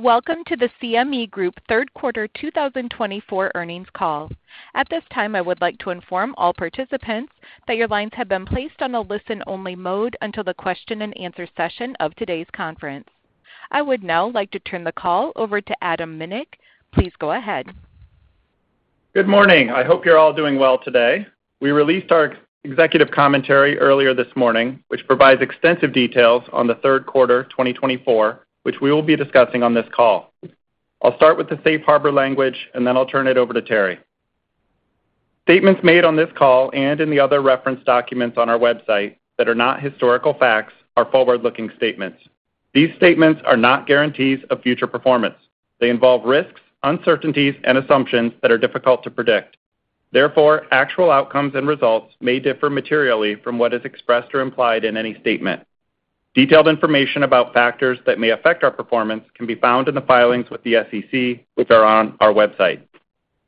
Welcome to the CME Group Third Quarter 2024 Earnings Call. At this time, I would like to inform all participants that your lines have been placed on a listen-only mode until the question-and-answer session of today's conference. I would now like to turn the call over to Adam Minick. Please go ahead. Good morning. I hope you're all doing well today. We released our executive commentary earlier this morning, which provides extensive details on the third quarter, 2024, which we will be discussing on this call. I'll start with the safe harbor language, and then I'll turn it over to Terry. Statements made on this call and in the other reference documents on our website that are not historical facts are forward-looking statements. These statements are not guarantees of future performance. They involve risks, uncertainties, and assumptions that are difficult to predict. Therefore, actual outcomes and results may differ materially from what is expressed or implied in any statement. Detailed information about factors that may affect our performance can be found in the filings with the SEC, which are on our website.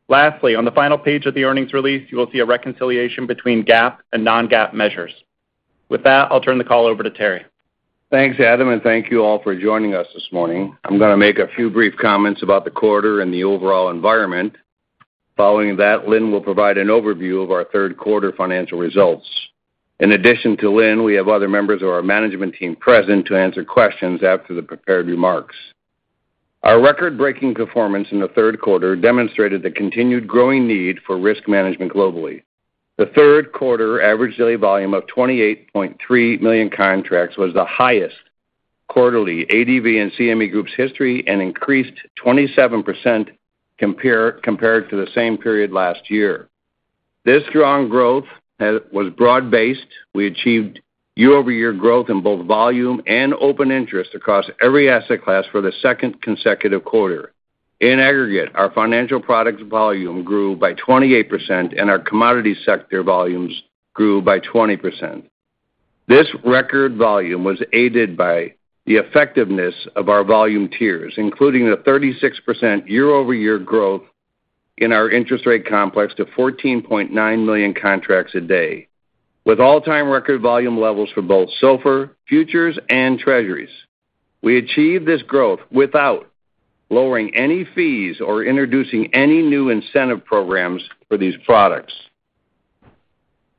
Lastly, on the final page of the earnings release, you will see a reconciliation between GAAP and non-GAAP measures. With that, I'll turn the call over to Terry. Thanks, Adam, and thank you all for joining us this morning. I'm going to make a few brief comments about the quarter and the overall environment. Following that, Lynne will provide an overview of our third quarter financial results. In addition to Lynne, we have other members of our management team present to answer questions after the prepared remarks. Our record-breaking performance in the third quarter demonstrated the continued growing need for risk management globally. The third quarter average daily volume of 28.3 million contracts was the highest quarterly ADV in CME Group's history and increased 27% compared to the same period last year. This strong growth was broad-based. We achieved year-over-year growth in both volume and open interest across every asset class for the second consecutive quarter. In aggregate, our financial products volume grew by 28%, and our Commodities sector volumes grew by 20%. This record volume was aided by the effectiveness of our volume tiers, including the 36% year-over-year growth in our interest rate complex to 14.9 million contracts a day, with all-time record volume levels for both SOFR futures, and Treasuries. We achieved this growth without lowering any fees or introducing any new incentive programs for these products.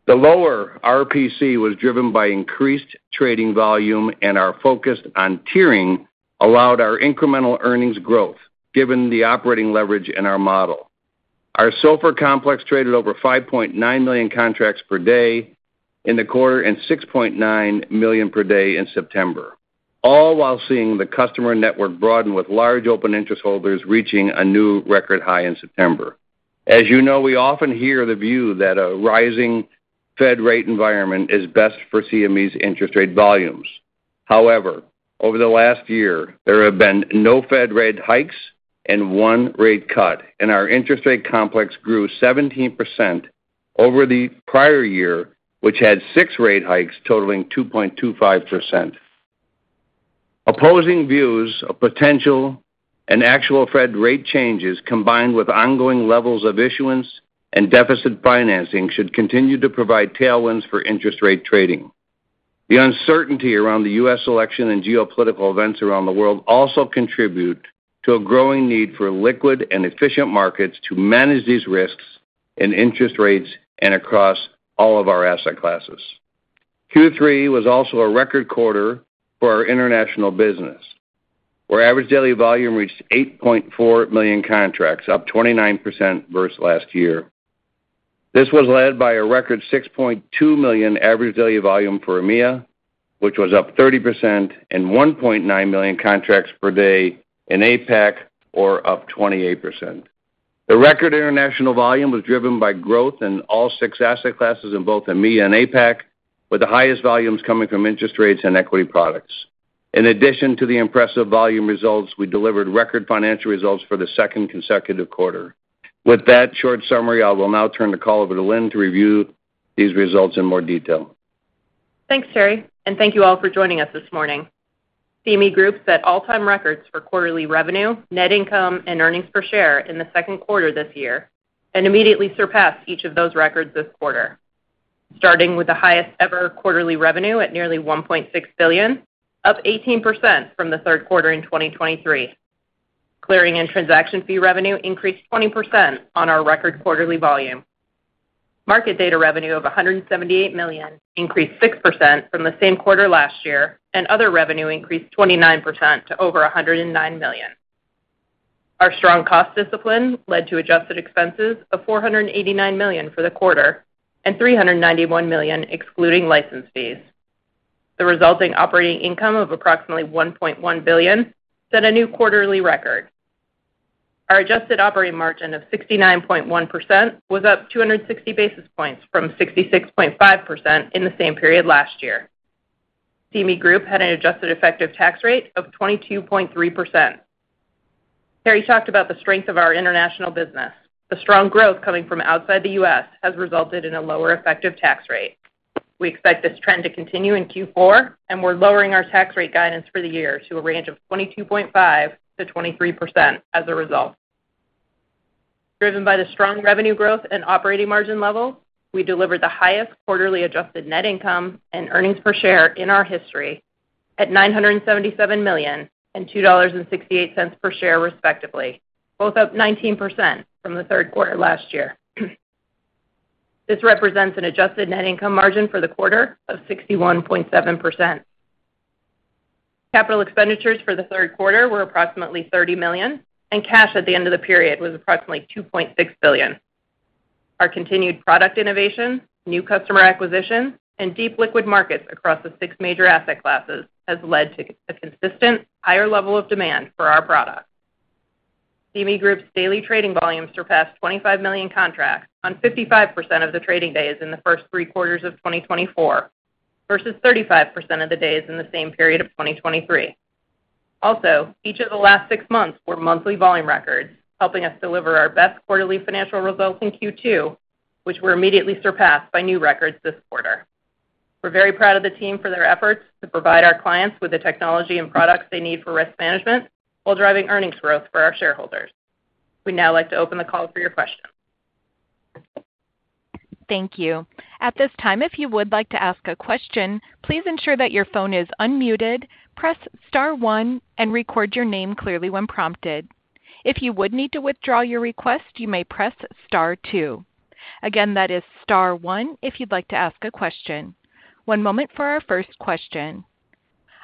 The lower RPC was driven by increased trading volume, and our focus on tiering allowed our incremental earnings growth, given the operating leverage in our model. Our SOFR complex traded over 5.9 million contracts per day in the quarter and 6.9 million per day in September, all while seeing the customer network broaden, with large open interest holders reaching a new record high in September. As you know, we often hear the view that a rising Fed rate environment is best for CME's interest rate volumes. However, over the last year, there have been no Fed rate hikes and one rate cut, and our interest rate complex grew 17% over the prior year, which had six rate hikes totaling 2.25%. Opposing views of potential and actual Fed rate changes, combined with ongoing levels of issuance and deficit financing, should continue to provide tailwinds for interest rate trading. The uncertainty around the U.S. election and geopolitical events around the world also contribute to a growing need for liquid and efficient markets to manage these risks in interest rates and across all of our asset classes. Q3 was also a record quarter for our international business, where average daily volume reached 8.4 million contracts, up 29% versus last year. This was led by a record 6.2 million average daily volume for EMEA, which was up 30%, and 1.9 million contracts per day in APAC, or up 28%. The record international volume was driven by growth in all six asset classes in both EMEA and APAC, with the highest volumes coming from interest rates and equity products. In addition to the impressive volume results, we delivered record financial results for the second consecutive quarter. With that short summary, I will now turn the call over to Lynne to review these results in more detail. Thanks, Terry, and thank you all for joining us this morning. CME Group set all-time records for quarterly revenue, net income, and earnings per share in the second quarter this year and immediately surpassed each of those records this quarter. Starting with the highest-ever quarterly revenue at nearly $1.6 billion, up 18% from the third quarter in 2023. Clearing and transaction fee revenue increased 20% on our record quarterly volume. Market data revenue of $178 million increased 6% from the same quarter last year, and other revenue increased 29% to over $109 million. Our strong cost discipline led to adjusted expenses of $489 million for the quarter and $391 million excluding license fees. The resulting operating income of approximately $1.1 billion set a new quarterly record. Our adjusted operating margin of 69.1% was up 260 basis points from 66.5% in the same period last year. CME Group had an adjusted effective tax rate of 22.3%. Terry talked about the strength of our international business. The strong growth coming from outside the U.S. has resulted in a lower effective tax rate. We expect this trend to continue in Q4, and we're lowering our tax rate guidance for the year to a range of 22.5%-23% as a result. Driven by the strong revenue growth and operating margin levels, we delivered the highest quarterly adjusted net income and earnings per share in our history, at $977 million and $2.68 per share, respectively, both up 19% from the third quarter last year. This represents an adjusted net income margin for the quarter of 61.7%. Capital expenditures for the third quarter were approximately $30 million, and cash at the end of the period was approximately $2.6 billion. Our continued product innovation, new customer acquisition, and deep liquid markets across the six major asset classes has led to a consistent higher level of demand for our product. CME Group's daily trading volumes surpassed 25 million contracts on 55% of the trading days in the first three quarters of 2024, versus 35% of the days in the same period of 2023. Also, each of the last six months were monthly volume records, helping us deliver our best quarterly financial results in Q2, which were immediately surpassed by new records this quarter. We're very proud of the team for their efforts to provide our clients with the technology and products they need for risk management, while driving earnings growth for our shareholders. We'd now like to open the call for your questions. Thank you. At this time, if you would like to ask a question, please ensure that your phone is unmuted, press star one and record your name clearly when prompted. If you would need to withdraw your request, you may press star two. Again, that is star one, if you'd like to ask a question. One moment for our first question.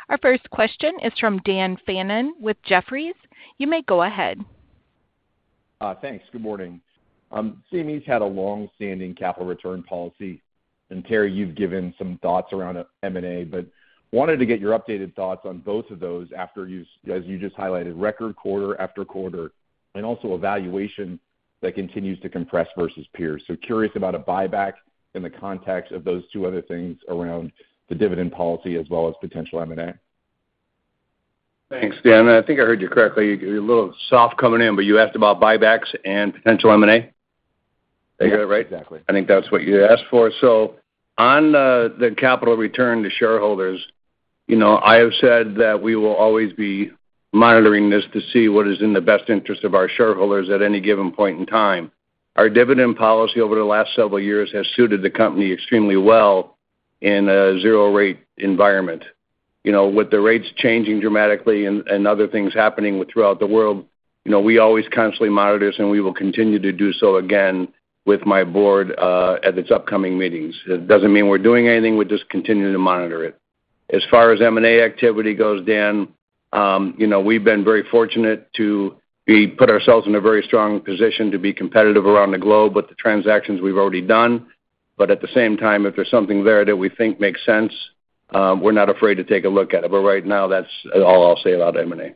Our first question is from Dan Fannon with Jefferies. You may go ahead. Thanks. Good morning. CME's had a long-standing capital return policy, and Terry, you've given some thoughts around M&A, but wanted to get your updated thoughts on both of those after you as you just highlighted, record quarter after quarter, and also a valuation that continues to compress versus peers, so curious about a buyback in the context of those two other things around the dividend policy as well as potential M&A. Thanks, Dan. I think I heard you correctly. You're a little soft coming in, but you asked about buybacks and potential M&A? Did I get it right? Exactly. I think that's what you asked for. So on the capital return to shareholders, you know, I have said that we will always be monitoring this to see what is in the best interest of our shareholders at any given point in time. Our dividend policy over the last several years has suited the company extremely well in a zero-rate environment. You know, with the rates changing dramatically and other things happening throughout the world, you know, we always constantly monitor this, and we will continue to do so again with my board at its upcoming meetings. It doesn't mean we're doing anything, we're just continuing to monitor it. As far as M&A activity goes, Dan, you know, we've been very fortunate to put ourselves in a very strong position to be competitive around the globe with the transactions we've already done. But at the same time, if there's something there that we think makes sense, we're not afraid to take a look at it. But right now, that's all I'll say about M&A.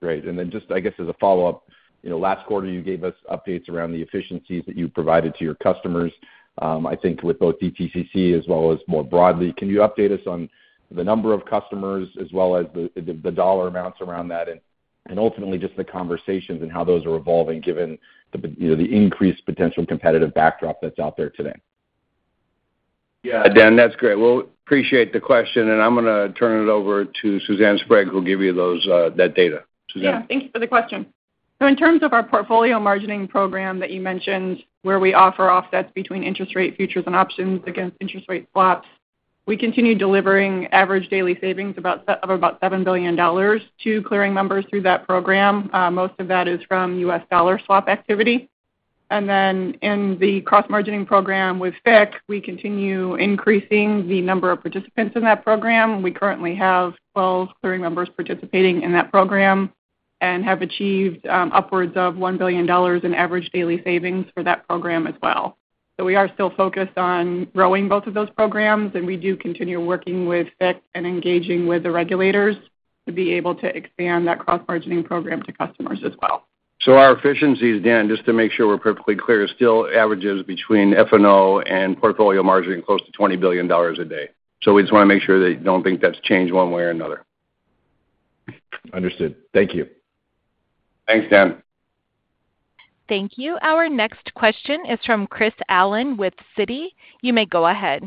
Great. And then just I guess, as a follow-up, you know, last quarter, you gave us updates around the efficiencies that you provided to your customers, I think with both DTCC as well as more broadly. Can you update us on the number of customers as well as the U.S. dollar amounts around that, and ultimately just the conversations and how those are evolving given the, you know, the increased potential competitive backdrop that's out there today? Yeah, Dan, that's great. Well, appreciate the question, and I'm gonna turn it over to Suzanne Sprague, who'll give you those, that data. Suzanne? Yeah, thank you for the question. So in terms of our portfolio margining program that you mentioned, where we offer offsets between interest rate futures and options against interest rate swaps, we continue delivering average daily savings of about $7 billion to clearing members through that program. Most of that is from U.S. dollar swap activity. And then in the cross-margining program with FICC, we continue increasing the number of participants in that program. We currently have 12 clearing members participating in that program and have achieved upwards of $1 billion in average daily savings for that program as well. So we are still focused on growing both of those programs, and we do continue working with FICC and engaging with the regulators to be able to expand that cross-margining program to customers as well. So our efficiencies, Dan, just to make sure we're perfectly clear, still averages between F&O and Portfolio Margining, close to $20 billion a day. So we just want to make sure that you don't think that's changed one way or another. Understood. Thank you. Thanks, Dan. Thank you. Our next question is from Chris Allen with Citi. You may go ahead.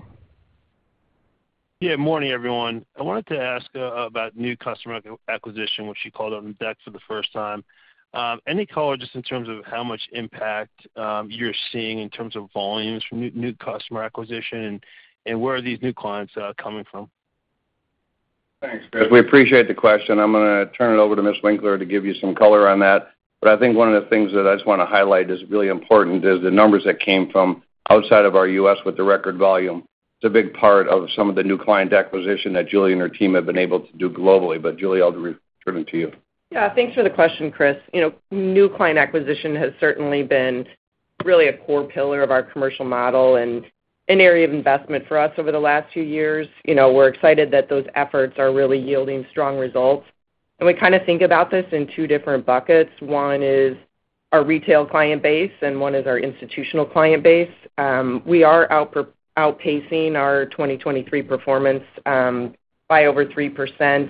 Yeah, morning, everyone. I wanted to ask about new customer acquisition, which you called out in deck for the first time. Any color, just in terms of how much impact you're seeing in terms of volumes from new customer acquisition, and where are these new clients coming from? Thanks, Chris. We appreciate the question. I'm gonna turn it over to Ms. Winkler to give you some color on that. But I think one of the things that I just want to highlight is really important is the numbers that came from outside of our U.S. with the record volume. It's a big part of some of the new client acquisition that Julie and her team have been able to do globally. But Julie, I'll return it to you. Yeah, thanks for the question, Chris. You know, new client acquisition has certainly been really a core pillar of our commercial model and an area of investment for us over the last two years. You know, we're excited that those efforts are really yielding strong results. And we kind of think about this in two different buckets. One is our retail client base, and one is our institutional client base. We are outpacing our 2023 performance by over 3%.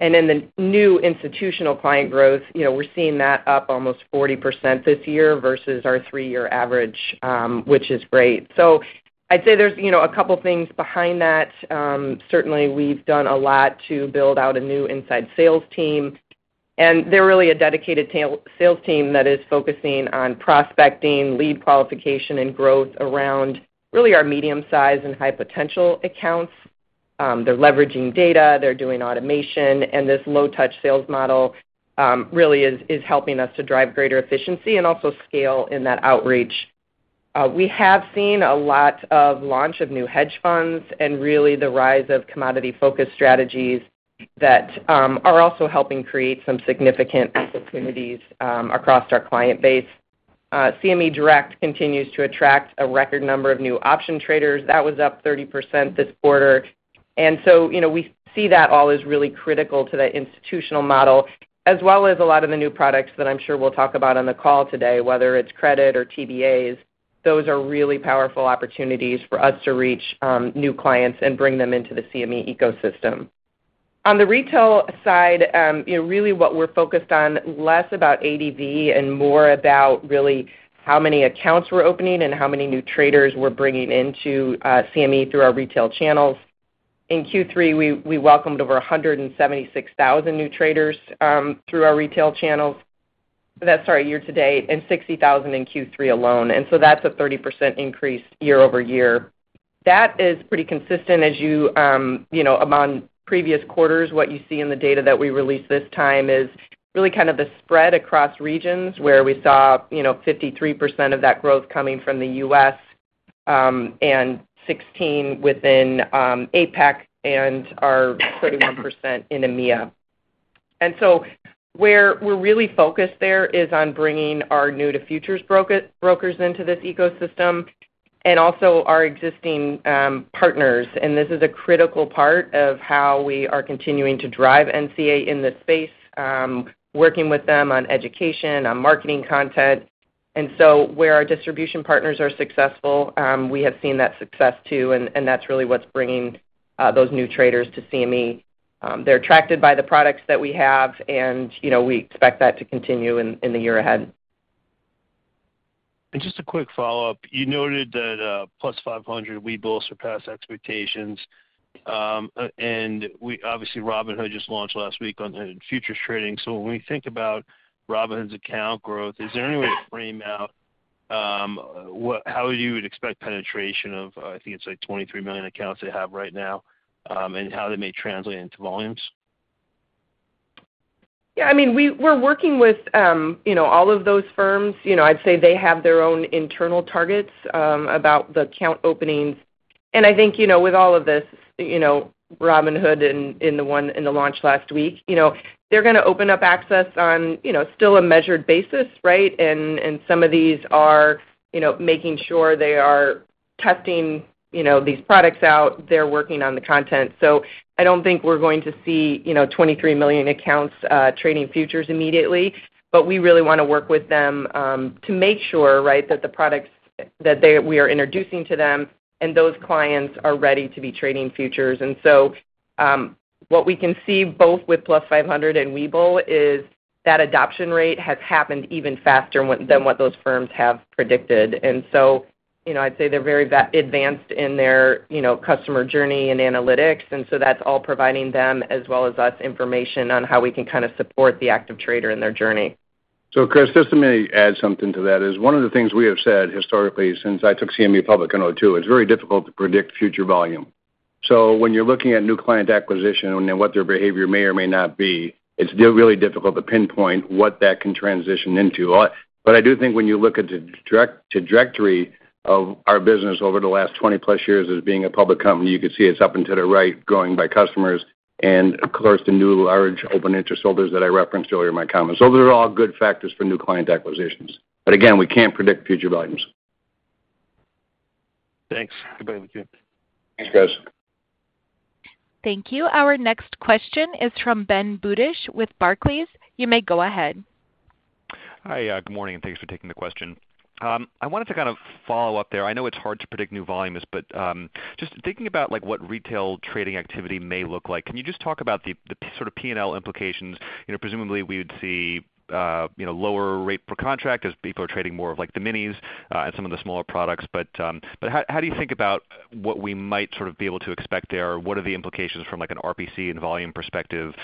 And then the new institutional client growth, you know, we're seeing that up almost 40% this year versus our three-year average, which is great. So- ... I'd say there's, you know, a couple things behind that. Certainly, we've done a lot to build out a new inside sales team, and they're really a dedicated tailored sales team that is focusing on prospecting, lead qualification, and growth around really our medium-size and high-potential accounts. They're leveraging data, they're doing automation, and this low-touch sales model really is helping us to drive greater efficiency and also scale in that outreach. We have seen a lot of launch of new hedge funds and really the rise of commodity-focused strategies that are also helping create some significant opportunities across our client base. CME Direct continues to attract a record number of new option traders. That was up 30% this quarter. And so, you know, we see that all as really critical to the institutional model, as well as a lot of the new products that I'm sure we'll talk about on the call today, whether it's credit or TBAs. Those are really powerful opportunities for us to reach new clients and bring them into the CME ecosystem. On the retail side, you know, really what we're focused on, less about ADV and more about really how many accounts we're opening and how many new traders we're bringing into CME through our retail channels. In Q3, we welcomed over 176,000 new traders through our retail channels. That's sorry, year-to-date, and 60,000 in Q3 alone, and so that's a 30% increase year-over-year. That is pretty consistent as you, you know, among previous quarters. What you see in the data that we released this time is really kind of the spread across regions, where we saw, you know, 53% of that growth coming from the U.S., and 16% within APAC and our 21% in EMEA. So where we're really focused there is on bringing our new-to-futures brokers into this ecosystem and also our existing partners, and this is a critical part of how we are continuing to drive NCA in this space, working with them on education, on marketing content. So where our distribution partners are successful, we have seen that success, too, and that's really what's bringing those new traders to CME. They're attracted by the products that we have and, you know, we expect that to continue in the year ahead. And just a quick follow-up. You noted that, Plus500, Webull surpassed expectations, and obviously, Robinhood just launched last week on the futures trading. So when we think about Robinhood's account growth, is there any way to frame out how you would expect penetration of, I think it's like 23 million accounts they have right now, and how they may translate into volumes? Yeah, I mean, we're working with, you know, all of those firms. You know, I'd say they have their own internal targets about the account openings. And I think, you know, with all of this, you know, Robinhood and the one in the launch last week, you know, they're gonna open up access on, you know, still a measured basis, right? And some of these are, you know, making sure they are testing, you know, these products out. They're working on the content. So I don't think we're going to see, you know, 23 million accounts trading futures immediately, but we really wanna work with them to make sure, right, that the products that we are introducing to them and those clients are ready to be trading futures. And so, what we can see both with Plus500 and Webull is that adoption rate has happened even faster than what those firms have predicted. And so, you know, I'd say they're very advanced in their, you know, customer journey and analytics, and so that's all providing them, as well as us, information on how we can kind of support the active trader in their journey. Chris, just to maybe add something to that, one of the things we have said historically, since I took CME public in 2002, is very difficult to predict future volume. When you're looking at new client acquisition and what their behavior may or may not be, it's still really difficult to pinpoint what that can transition into. But I do think when you look at the direct trajectory of our business over the last 20+ years as being a public company, you can see it's up and to the right, growing by customers and, of course, the new large open interest holders that I referenced earlier in my comments. Those are all good factors for new client acquisitions, but again, we can't predict future volumes. Thanks. Goodbye with you. Thanks, guys. Thank you. Our next question is from Ben Budish with Barclays. You may go ahead. Hi, good morning, and thanks for taking the question. I wanted to kind of follow up there. I know it's hard to predict new volumes, but, just thinking about, like, what retail trading activity may look like, can you just talk about the sort of P&L implications? You know, presumably, we would see, you know, lower rate per contract as people are trading more of, like, the minis, and some of the smaller products. But, but how do you think about what we might sort of be able to expect there? What are the implications from, like, an RPC and volume perspective?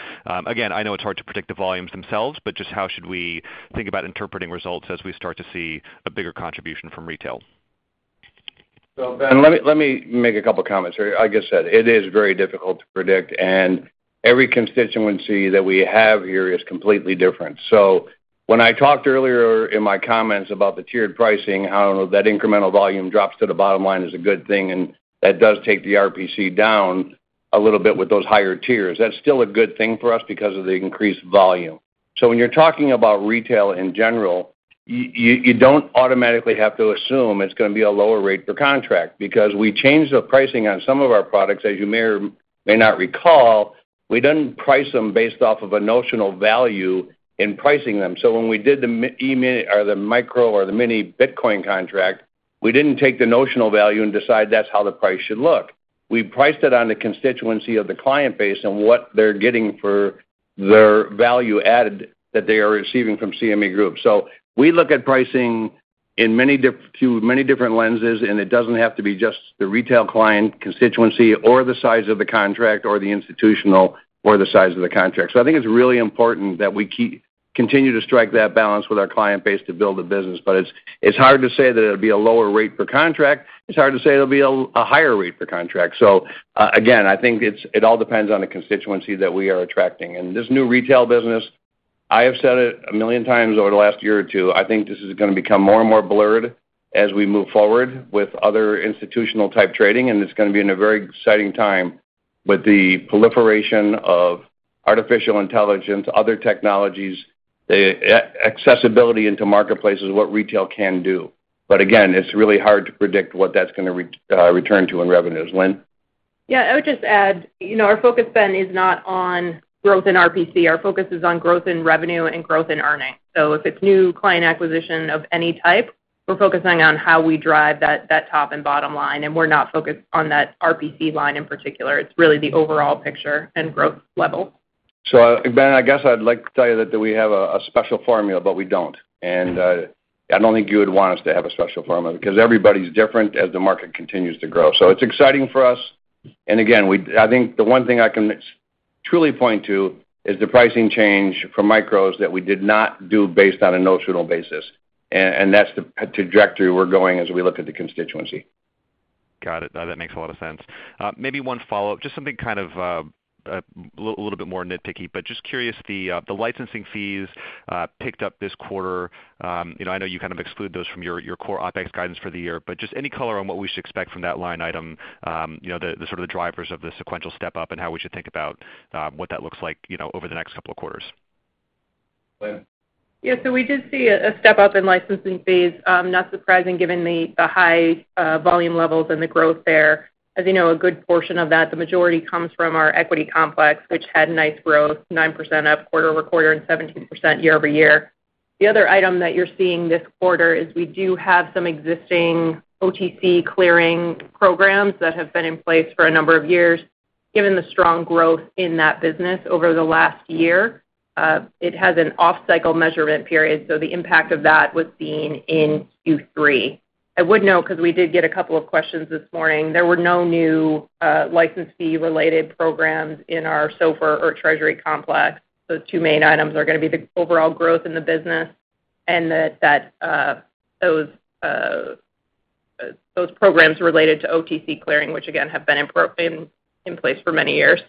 Again, I know it's hard to predict the volumes themselves, but just how should we think about interpreting results as we start to see a bigger contribution from retail? So, Ben, let me make a couple comments here. Like I said, it is very difficult to predict, and every constituency that we have here is completely different. So when I talked earlier in my comments about the tiered pricing, how that incremental volume drops to the bottom line is a good thing, and that does take the RPC down a little bit with those higher tiers, that's still a good thing for us because of the increased volume. So when you're talking about retail in general, you don't automatically have to assume it's gonna be a lower rate per contract, because we changed the pricing on some of our products. As you may or may not recall, we didn't price them based off of a notional value in pricing them. So when we did the E-mini or the micro or the mini Bitcoin contract, we didn't take the notional value and decide that's how the price should look. We priced it on the constituency of the client base and what they're getting for their value added that they are receiving from CME Group. So we look at pricing through many different lenses, and it doesn't have to be just the retail client constituency or the size of the contract or the institutional or the size of the contract. So I think it's really important that we continue to strike that balance with our client base to build a business, but it's hard to say that it'll be a lower rate per contract. It's hard to say it'll be a higher rate per contract. So, again, I think it's all depends on the constituency that we are attracting. And this new retail business, I have said it a million times over the last year or two, I think this is gonna become more and more blurred as we move forward with other institutional-type trading, and it's gonna be in a very exciting time with the proliferation of artificial intelligence, other technologies, accessibility into marketplaces, what retail can do. But again, it's really hard to predict what that's gonna return to in revenues. Lynne? Yeah, I would just add, you know, our focus then is not on growth in RPC. Our focus is on growth in revenue and growth in earnings. So if it's new client acquisition of any type, we're focusing on how we drive that top and bottom line, and we're not focused on that RPC line in particular. It's really the overall picture and growth level. So, Ben, I guess I'd like to tell you that we have a special formula, but we don't. And, I don't think you would want us to have a special formula because everybody's different as the market continues to grow. So it's exciting for us, and again, I think the one thing I can truly point to is the pricing change for micros that we did not do based on a notional basis, and that's the trajectory we're going as we look at the constituency. Got it. Now, that makes a lot of sense. Maybe one follow-up, just something kind of a little bit more nitpicky, but just curious, the licensing fees picked up this quarter. You know, I know you kind of exclude those from your core OpEx guidance for the year, but just any color on what we should expect from that line item, you know, the sort of drivers of the sequential step up and how we should think about what that looks like, you know, over the next couple of quarters? Lynne? Yeah, so we did see a step up in licensing fees, not surprising given the high volume levels and the growth there. As you know, a good portion of that, the majority, comes from our equity complex, which had nice growth, 9% up quarter-over-quarter and 17% year-over-year. The other item that you're seeing this quarter is we do have some existing OTC clearing programs that have been in place for a number of years. Given the strong growth in that business over the last year, it has an off-cycle measurement period, so the impact of that was seen in Q3. I would note, because we did get a couple of questions this morning, there were no new, license fee-related programs in our SOFR or Treasury complex. Those two main items are gonna be the overall growth in the business and that those programs related to OTC clearing, which again, have been in place for many years.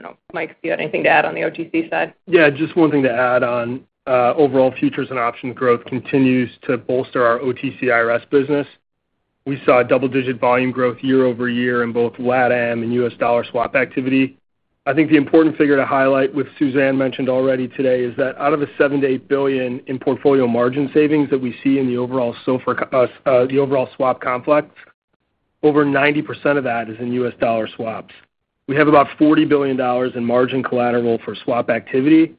You know, Mike, do you have anything to add on the OTC side? Yeah, just one thing to add on, overall futures and options growth continues to bolster our OTC IRS business. We saw double-digit volume growth year-over-year in both LatAm and U.S. dollar swap activity. I think the important figure to highlight, which Suzanne mentioned already today, is that out of the $7 billion-$8 billion in portfolio margin savings that we see in the overall SOFR, the overall swap complex, over 90% of that is in U.S. dollar swaps. We have about $40 billion in margin collateral for swap activity,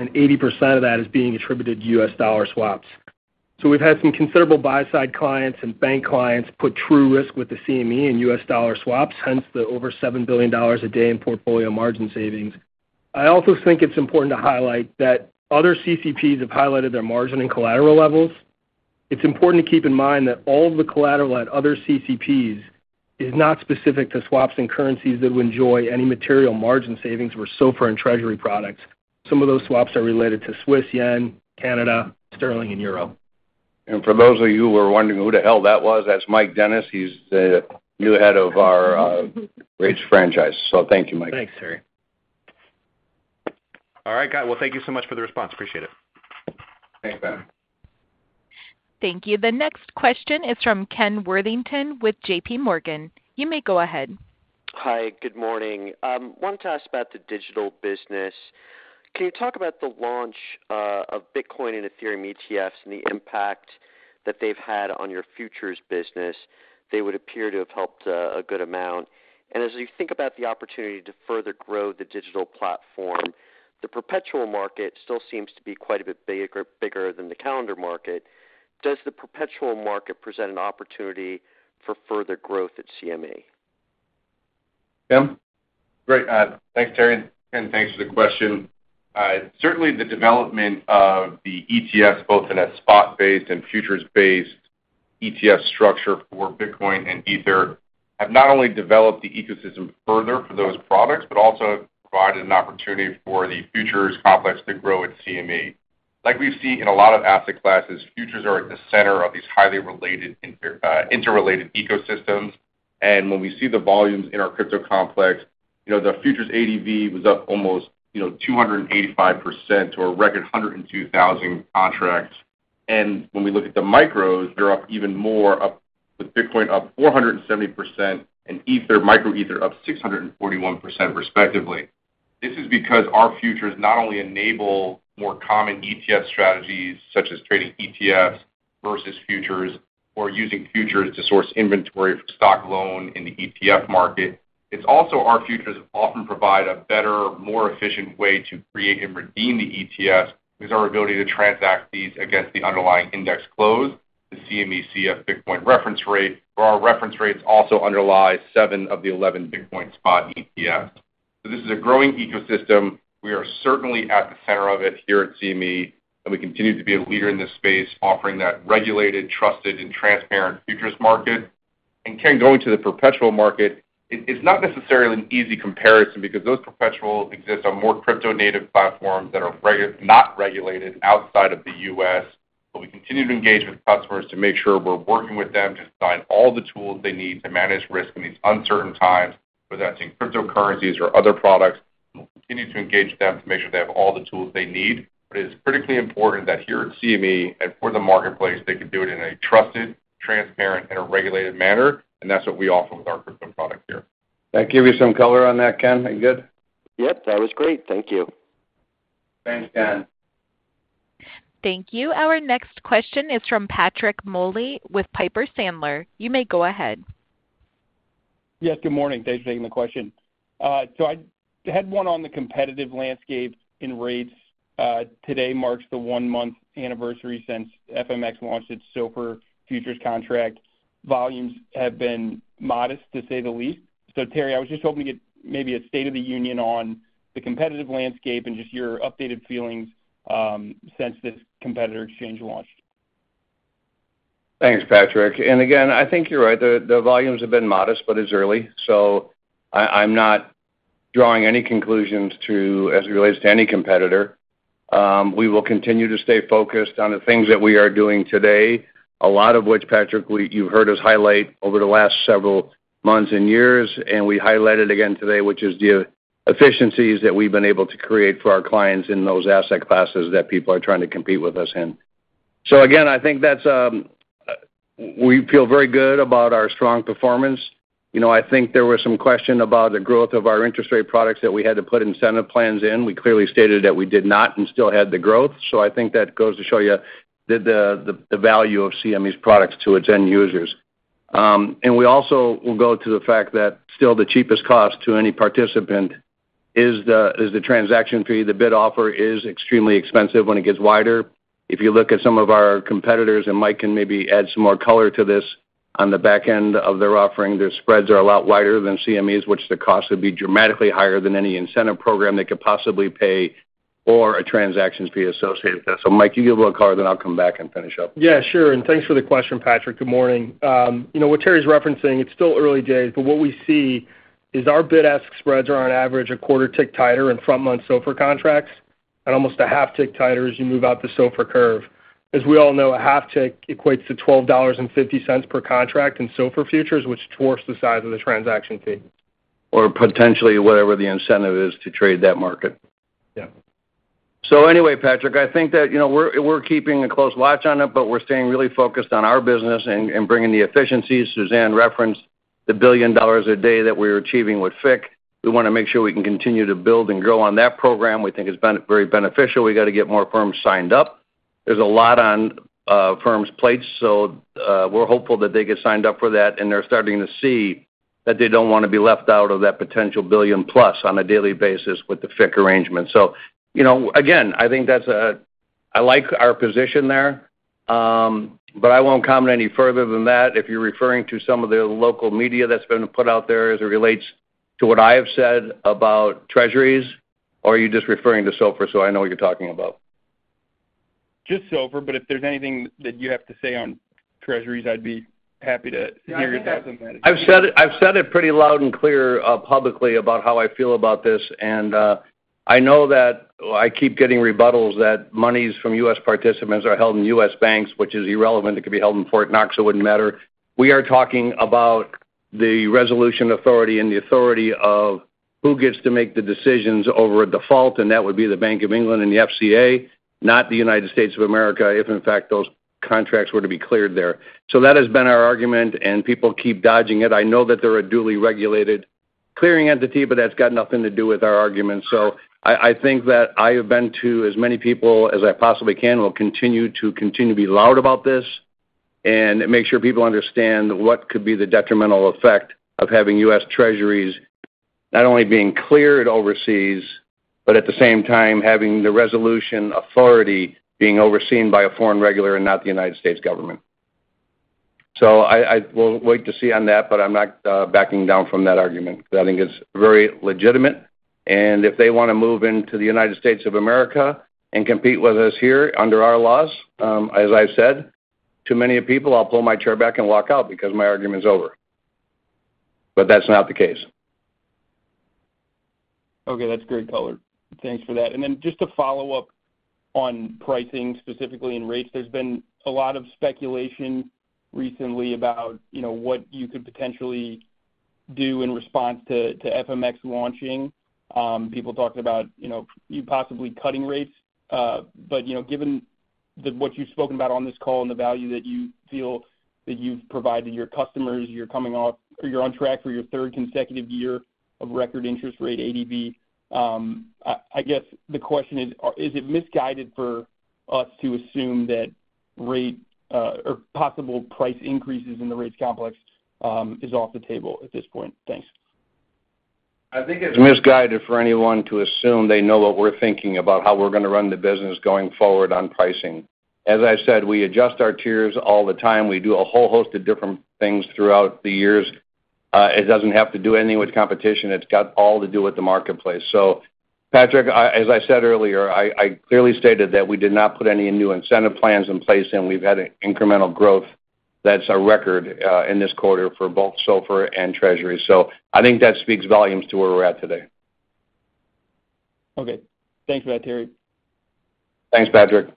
and 80% of that is being attributed to U.S. dollar swaps. So we've had some considerable buy-side clients and bank clients put true risk with the CME in U.S. dollar swaps, hence the over $7 billion a day in portfolio margin savings. I also think it's important to highlight that other CCPs have highlighted their margin and collateral levels. It's important to keep in mind that all the collateral at other CCPs is not specific to swaps and currencies that would enjoy any material margin savings for SOFR and Treasury products. Some of those swaps are related to Swiss, yen, Canada, sterling, and euro. For those of you who are wondering who the hell that was, that's Mike Dennis. He's the new head of our rates franchise. So thank you, Mike. Thanks, Terry. All right, guys. Well, thank you so much for the response. Appreciate it. Thanks, Ben. Thank you. The next question is from Ken Worthington with JPMorgan. You may go ahead. Hi, good morning. Wanted to ask about the digital business. Can you talk about the launch of Bitcoin and Ethereum ETFs and the impact that they've had on your futures business? They would appear to have helped a good amount. And as you think about the opportunity to further grow the digital platform, the perpetual market still seems to be quite a bit bigger than the calendar market. Does the perpetual market present an opportunity for further growth at CME? Tim? Great. Thanks, Terry, and Ken, thanks for the question. Certainly the development of the ETFs, both in a spot-based and futures-based ETF structure for Bitcoin and Ether, have not only developed the ecosystem further for those products but also provided an opportunity for the futures complex to grow at CME. Like we've seen in a lot of asset classes, futures are at the center of these highly related interrelated ecosystems. And when we see the volumes in our crypto complex, you know, the futures ADV was up almost, you know, 285% to a record 102,000 contracts. And when we look at the micros, they're up even more, up with Micro Bitcoin up 470% and Micro Ether up 641%, respectively. This is because our futures not only enable more common ETF strategies, such as trading ETFs versus futures or using futures to source inventory for stock loan in the ETF market. It's also our futures often provide a better, more efficient way to create and redeem the ETFs, with our ability to transact these against the underlying index close.... The CME CF Bitcoin Reference Rate, where our reference rates also underlie seven of the eleven Bitcoin spot ETFs. So this is a growing ecosystem. We are certainly at the center of it here at CME, and we continue to be a leader in this space, offering that regulated, trusted, and transparent futures market. And Ken, going to the perpetual market, it's not necessarily an easy comparison because those perpetuals exist on more crypto-native platforms that are not regulated outside of the U.S. But we continue to engage with customers to make sure we're working with them to provide all the tools they need to manage risk in these uncertain times, whether that's in cryptocurrencies or other products. We'll continue to engage them to make sure they have all the tools they need. But it's critically important that here at CME and for the marketplace, they can do it in a trusted, transparent, and a regulated manner, and that's what we offer with our crypto product here. Did that give you some color on that, Ken? Any good? Yep, that was great. Thank you. Thanks, Ken. Thank you. Our next question is from Patrick Moley with Piper Sandler. You may go ahead. Yes, good morning. Thanks for taking the question. So I had one on the competitive landscape in rates. Today marks the one-month anniversary since FMX launched its SOFR futures contract. Volumes have been modest, to say the least. So Terry, I was just hoping to get maybe a state of the union on the competitive landscape and just your updated feelings, since this competitor exchange launched. Thanks, Patrick. And again, I think you're right. The volumes have been modest, but it's early, so I'm not drawing any conclusions to, as it relates to any competitor. We will continue to stay focused on the things that we are doing today, a lot of which, Patrick, you've heard us highlight over the last several months and years, and we highlighted again today, which is the efficiencies that we've been able to create for our clients in those asset classes that people are trying to compete with us in. So again, I think that's we feel very good about our strong performance. You know, I think there was some question about the growth of our interest rate products that we had to put incentive plans in. We clearly stated that we did not and still had the growth. So I think that goes to show you the value of CME's products to its end users. And we also will go to the fact that still the cheapest cost to any participant is the transaction fee. The bid offer is extremely expensive when it gets wider. If you look at some of our competitors, and Mike can maybe add some more color to this, on the back end of their offering, their spreads are a lot wider than CME's, which the cost would be dramatically higher than any incentive program they could possibly pay or a transaction fee associated with that. So Mike, you give a little color, then I'll come back and finish up. Yeah, sure. And thanks for the question, Patrick. Good morning. You know, what Terry's referencing, it's still early days, but what we see is our bid-ask spreads are on average a quarter tick tighter in front-month SOFR contracts and almost a half tick tighter as you move out the SOFR curve. As we all know, a half tick equates to $12.50 per contract in SOFR futures, which dwarfs the size of the transaction fee. Or potentially whatever the incentive is to trade that market. Yeah. So anyway, Patrick, I think that, you know, we're, we're keeping a close watch on it, but we're staying really focused on our business and, and bringing the efficiencies. Suzanne referenced the $1 billion a day that we're achieving with FICC. We want to make sure we can continue to build and grow on that program. We think it's very beneficial. We got to get more firms signed up. There's a lot on firms' plates, so we're hopeful that they get signed up for that, and they're starting to see that they don't want to be left out of that potential $1 billion+ on a daily basis with the FICC arrangement. So you know, again, I think that's a... I like our position there, but I won't comment any further than that. If you're referring to some of the local media that's been put out there as it relates to what I have said about Treasuries, or are you just referring to SOFR so I know what you're talking about? Just SOFR, but if there's anything that you have to say on Treasuries, I'd be happy to hear your thoughts on that. I've said it, I've said it pretty loud and clear, publicly about how I feel about this, and I know that I keep getting rebuttals that monies from U.S. participants are held in U.S. banks, which is irrelevant. It could be held in Fort Knox, it wouldn't matter. We are talking about the resolution authority and the authority of who gets to make the decisions over a default, and that would be the Bank of England and the FCA, not the United States of America, if, in fact, those contracts were to be cleared there. So that has been our argument, and people keep dodging it. I know that they're a duly regulated clearing entity, but that's got nothing to do with our argument. So I think that I have been to as many people as I possibly can and will continue to be loud about this and make sure people understand what could be the detrimental effect of having U.S. Treasuries not only being cleared overseas, but at the same time, having the resolution authority being overseen by a foreign regulator and not the United States government. So I will wait to see on that, but I'm not backing down from that argument. I think it's very legitimate, and if they want to move into the United States of America and compete with us here under our laws, as I've said to many people, I'll pull my chair back and walk out because my argument's over. But that's not the case. Okay, that's great color. Thanks for that. And then just to follow up on pricing, specifically in rates, there's been a lot of speculation recently about, you know, what you could potentially do in response to FMX launching. People talked about, you know, you possibly cutting rates, but, you know, given that what you've spoken about on this call and the value that you feel that you've provided your customers, you're coming off or you're on track for your third consecutive year of record interest rate ADV. I guess the question is, is it misguided for us to assume that rate or possible price increases in the rates complex is off the table at this point? Thanks. ... I think it's misguided for anyone to assume they know what we're thinking about how we're going to run the business going forward on pricing. As I've said, we adjust our tiers all the time. We do a whole host of different things throughout the years. It doesn't have to do anything with competition. It's got all to do with the marketplace. So Patrick, as I said earlier, I clearly stated that we did not put any new incentive plans in place, and we've had an incremental growth that's a record in this quarter for both SOFR and Treasury. So I think that speaks volumes to where we're at today. Okay. Thanks for that, Terry. Thanks, Patrick.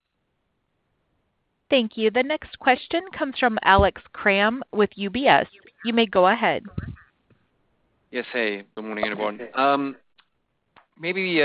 Thank you. The next question comes from Alex Kramm with UBS. You may go ahead. Yes, hey, good morning, everyone. Maybe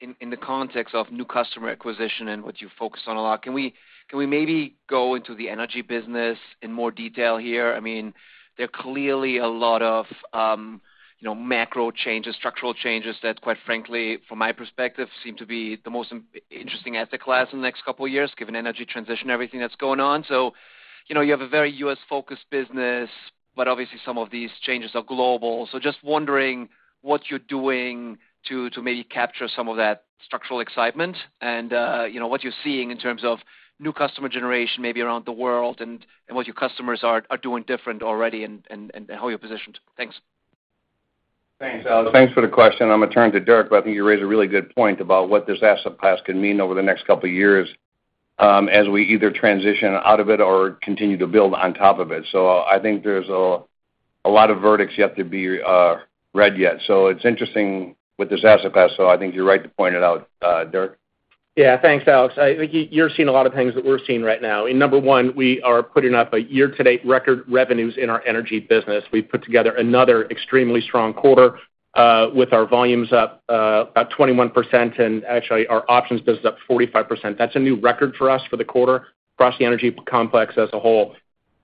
in the context of new customer acquisition and what you focus on a lot, can we maybe go into the energy business in more detail here? I mean, there are clearly a lot of, you know, macro changes, structural changes that, quite frankly, from my perspective, seem to be the most interesting asset class in the next couple of years, given energy transition, everything that's going on. So, you know, you have a very U.S.-focused business, but obviously some of these changes are global. So just wondering what you're doing to maybe capture some of that structural excitement and, you know, what you're seeing in terms of new customer generation, maybe around the world, and what your customers are doing different already and how you're positioned. Thanks. Thanks, Alex. Thanks for the question. I'm going to turn to Derek, but I think you raised a really good point about what this asset class can mean over the next couple of years, as we either transition out of it or continue to build on top of it. So I think there's a lot of verdicts yet to be read yet. So it's interesting with this asset class. So I think you're right to point it out. Derek? Yeah, thanks, Alex. I think you're seeing a lot of things that we're seeing right now. And number one, we are putting up a year-to-date record revenues in our energy business. We've put together another extremely strong quarter, with our volumes up about 21%, and actually, our Options business up 45%. That's a new record for us for the quarter across the energy complex as a whole.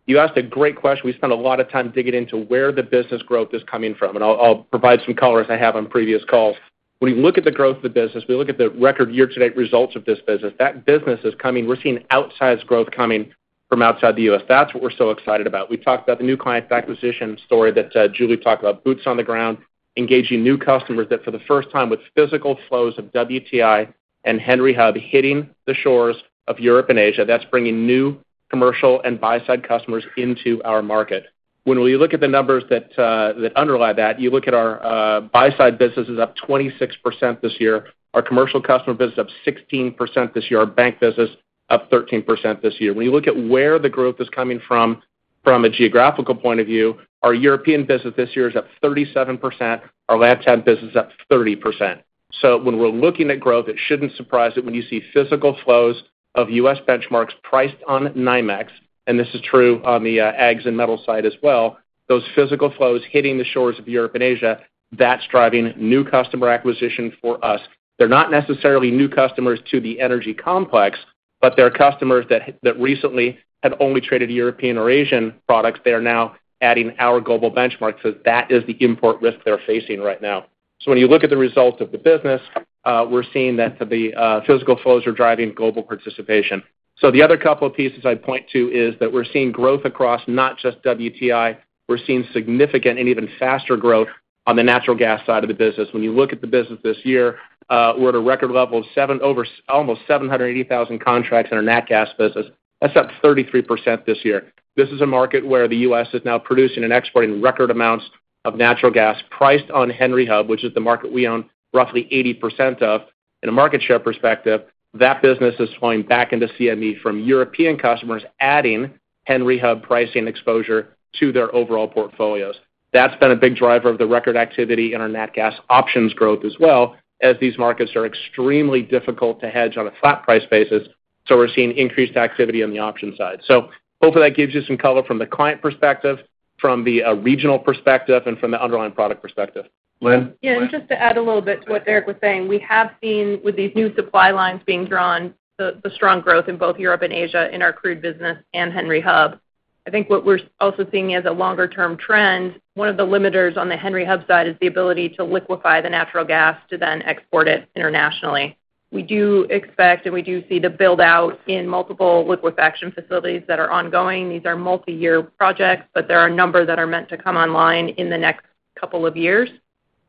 You asked a great question. We spent a lot of time digging into where the business growth is coming from, and I'll provide some color as I have on previous calls. When we look at the growth of the business, we look at the record year-to-date results of this business. That business is coming. We're seeing outsized growth coming from outside the U.S. That's what we're so excited about. We talked about the new clients acquisition story that, Julie talked about, boots on the ground, engaging new customers that for the first time, with physical flows of WTI and Henry Hub hitting the shores of Europe and Asia, that's bringing new commercial and buy-side customers into our market. When we look at the numbers that, that underlie that, you look at our, buy-side business is up 26% this year. Our commercial customer business up 16% this year. Our bank business, up 13% this year. When you look at where the growth is coming from, from a geographical point of view, our European business this year is up 37%, our LatAm business up 30%. So when we're looking at growth, it shouldn't surprise that when you see physical flows of U.S. benchmarks priced on NYMEX, and this is true on the Ags and metals side as well, those physical flows hitting the shores of Europe and Asia, that's driving new customer acquisition for us. They're not necessarily new customers to the energy complex, but they're customers that recently had only traded European or Asian products. They are now adding our global benchmark. So that is the import risk they're facing right now. So when you look at the results of the business, we're seeing that the physical flows are driving global participation. So the other couple of pieces I'd point to is that we're seeing growth across not just WTI. We're seeing significant and even faster growth on the natural gas side of the business. When you look at the business this year, we're at a record level, over almost 780,000 contracts in our nat gas business. That's up 33% this year. This is a market where the U.S. is now producing and exporting record amounts of natural gas priced on Henry Hub, which is the market we own roughly 80% of. In a market share perspective, that business is flowing back into CME from European customers, adding Henry Hub pricing exposure to their overall portfolios. That's been a big driver of the record activity in our nat gas options growth as well, as these markets are extremely difficult to hedge on a flat price basis, so we're seeing increased activity on the option side. So hopefully that gives you some color from the client perspective, from the regional perspective, and from the underlying product perspective. Lynne? Yeah, and just to add a little bit to what Derek was saying, we have seen, with these new supply lines being drawn, the strong growth in both Europe and Asia in our crude business and Henry Hub. I think what we're also seeing as a longer-term trend, one of the limiters on the Henry Hub side is the ability to liquefy the natural gas to then export it internationally. We do expect, and we do see the build-out in multiple liquefaction facilities that are ongoing. These are multi-year projects, but there are a number that are meant to come online in the next couple of years.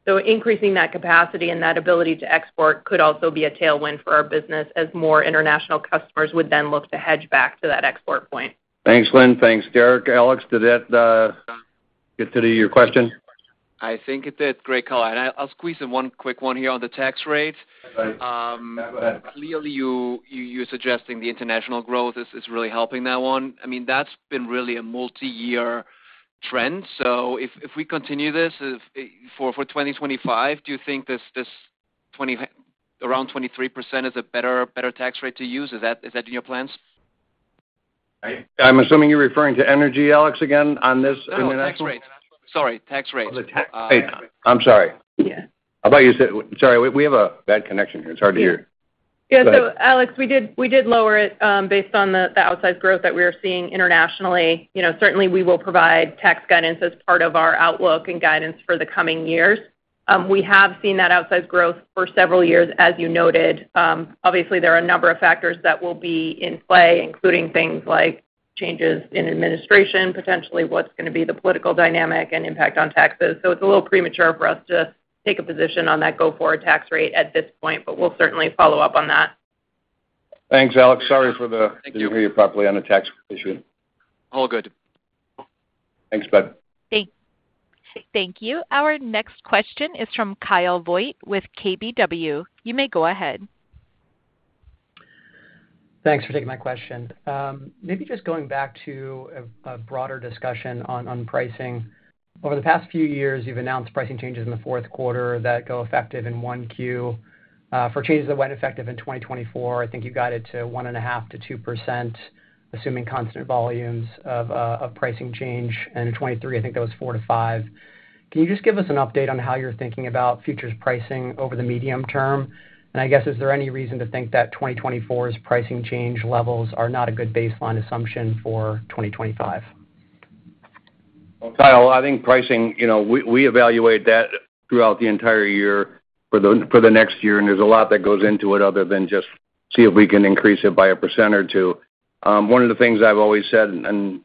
So increasing that capacity and that ability to export could also be a tailwind for our business as more international customers would then look to hedge back to that export point. Thanks, Lynne. Thanks, Derek. Alex, did that get to your question? I think it did. Great call, and I'll squeeze in one quick one here on the tax rate. Right. Clearly, you're suggesting the international growth is really helping that one. I mean, that's been really a multi-year trend. So if we continue this, for 2025, do you think this around 23% is a better tax rate to use? Is that in your plans? I'm assuming you're referring to energy, Alex, again, on this international- No, tax rate. Sorry, tax rate. On the tax... I'm sorry. Yeah. I thought you said... Sorry, we have a bad connection here. It's hard to hear. Yeah. Go ahead. Yeah, so Alex, we did lower it based on the outsized growth that we are seeing internationally. You know, certainly, we will provide tax guidance as part of our outlook and guidance for the coming years. We have seen that outsized growth for several years, as you noted. Obviously, there are a number of factors that will be in play, including things like changes in administration, potentially what's going to be the political dynamic and impact on taxes. So it's a little premature for us to take a position on that go-forward tax rate at this point, but we'll certainly follow up on that. Thanks, Alex. Sorry for the- Thank you. Didn't hear you properly on the tax issue. All good. Thanks, bud. Thank you. Our next question is from Kyle Voigt with KBW. You may go ahead. Thanks for taking my question. Maybe just going back to a broader discussion on pricing. Over the past few years, you've announced pricing changes in the fourth quarter that go effective in 1Q. For changes that went effective in 2024, I think you got it to 1.5%-2%, assuming constant volumes of pricing change, and in 2023, I think that was 4%-5%. Can you just give us an update on how you're thinking about futures pricing over the medium term? And I guess, is there any reason to think that 2024's pricing change levels are not a good baseline assumption for 2025? Well, Kyle, I think pricing, you know, we evaluate that throughout the entire year for the next year, and there's a lot that goes into it other than just see if we can increase it by 1% or 2%. One of the things I've always said, and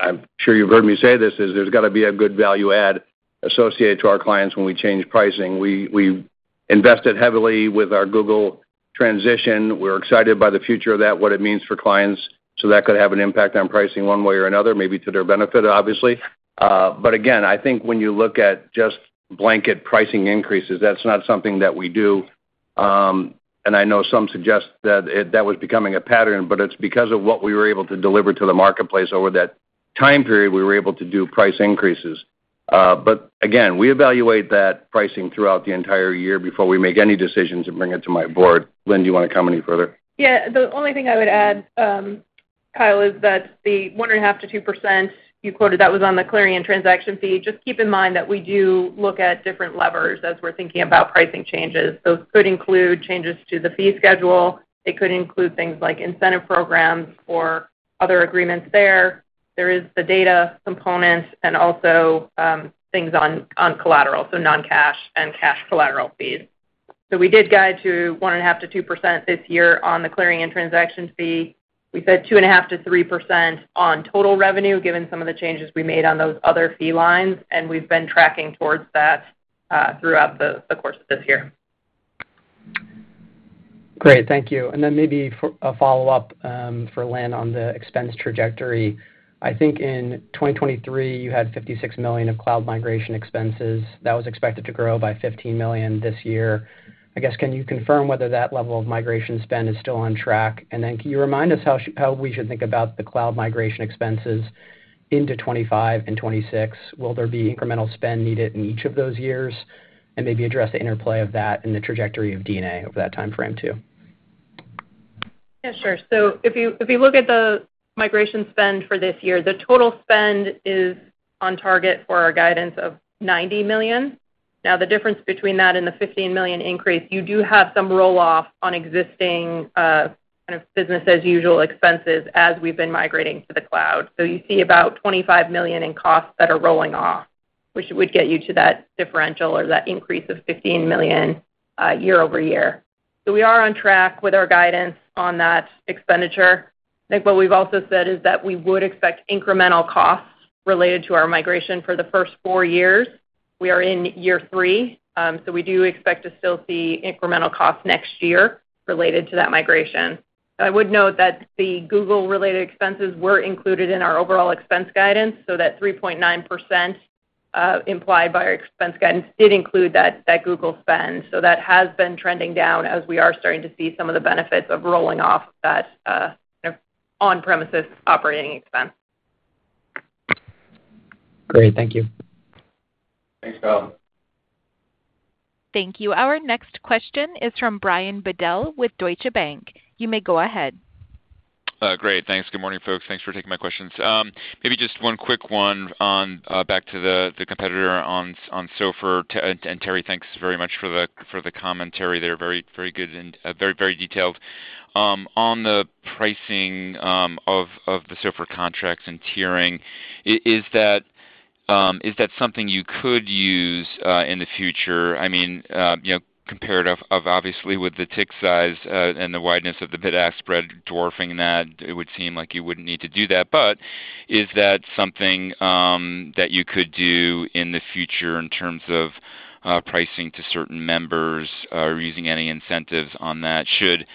I'm sure you've heard me say this, is there's got to be a good value add associated to our clients when we change pricing. We invested heavily with our Google transition. We're excited by the future of that, what it means for clients. So that could have an impact on pricing one way or another, maybe to their benefit, obviously. But again, I think when you look at just blanket pricing increases, that's not something that we do. And I know some suggest that it was becoming a pattern, but it's because of what we were able to deliver to the marketplace over that time period, we were able to do price increases. But again, we evaluate that pricing throughout the entire year before we make any decisions and bring it to my board. Lynne, do you want to comment any further? Yeah. The only thing I would add, Kyle, is that the 1.5%-2% you quoted, that was on the clearing and transaction fee. Just keep in mind that we do look at different levers as we're thinking about pricing changes. Those could include changes to the fee schedule. It could include things like incentive programs or other agreements there. There is the data component and also, things on collateral, so non-cash and cash collateral fees. So we did guide to 1.5%-2% this year on the clearing and transaction fee. We said 2.5%-3% on total revenue, given some of the changes we made on those other fee lines, and we've been tracking towards that, throughout the course of this year. Great. Thank you. And then maybe for a follow-up, for Lynne on the expense trajectory. I think in 2023, you had $56 million of cloud migration expenses. That was expected to grow by $15 million this year. I guess, can you confirm whether that level of migration spend is still on track? And then can you remind us how we should think about the cloud migration expenses into 2025 and 2026? Will there be incremental spend needed in each of those years? And maybe address the interplay of that in the trajectory of D&A over that timeframe, too. Yeah, sure. So if you, if you look at the migration spend for this year, the total spend is on target for our guidance of $90 million. Now, the difference between that and the $15 million increase, you do have some roll-off on existing, kind of business as usual expenses as we've been migrating to the cloud. So you see about $25 million in costs that are rolling off, which would get you to that differential or that increase of $15 million, year-over-year. So we are on track with our guidance on that expenditure. I think what we've also said is that we would expect incremental costs related to our migration for the first four years. We are in year three, so we do expect to still see incremental costs next year related to that migration. I would note that the Google-related expenses were included in our overall expense guidance, so that 3.9% implied by our expense guidance did include that, that Google spend. So that has been trending down as we are starting to see some of the benefits of rolling off that, kind of on-premises operating expense. Great. Thank you. Thanks, Kyle. Thank you. Our next question is from Brian Bedell with Deutsche Bank. You may go ahead. Great. Thanks. Good morning, folks. Thanks for taking my questions. Maybe just one quick one on back to the competitor on SOFR. And Terry, thanks very much for the commentary. They're very, very good and very, very detailed. On the pricing of the SOFR contracts and tiering, is that something you could use in the future? I mean, you know, comparative of, obviously, with the tick size and the wideness of the bid-ask spread dwarfing that, it would seem like you wouldn't need to do that. But is that something that you could do in the future in terms of pricing to certain members or using any incentives on that, should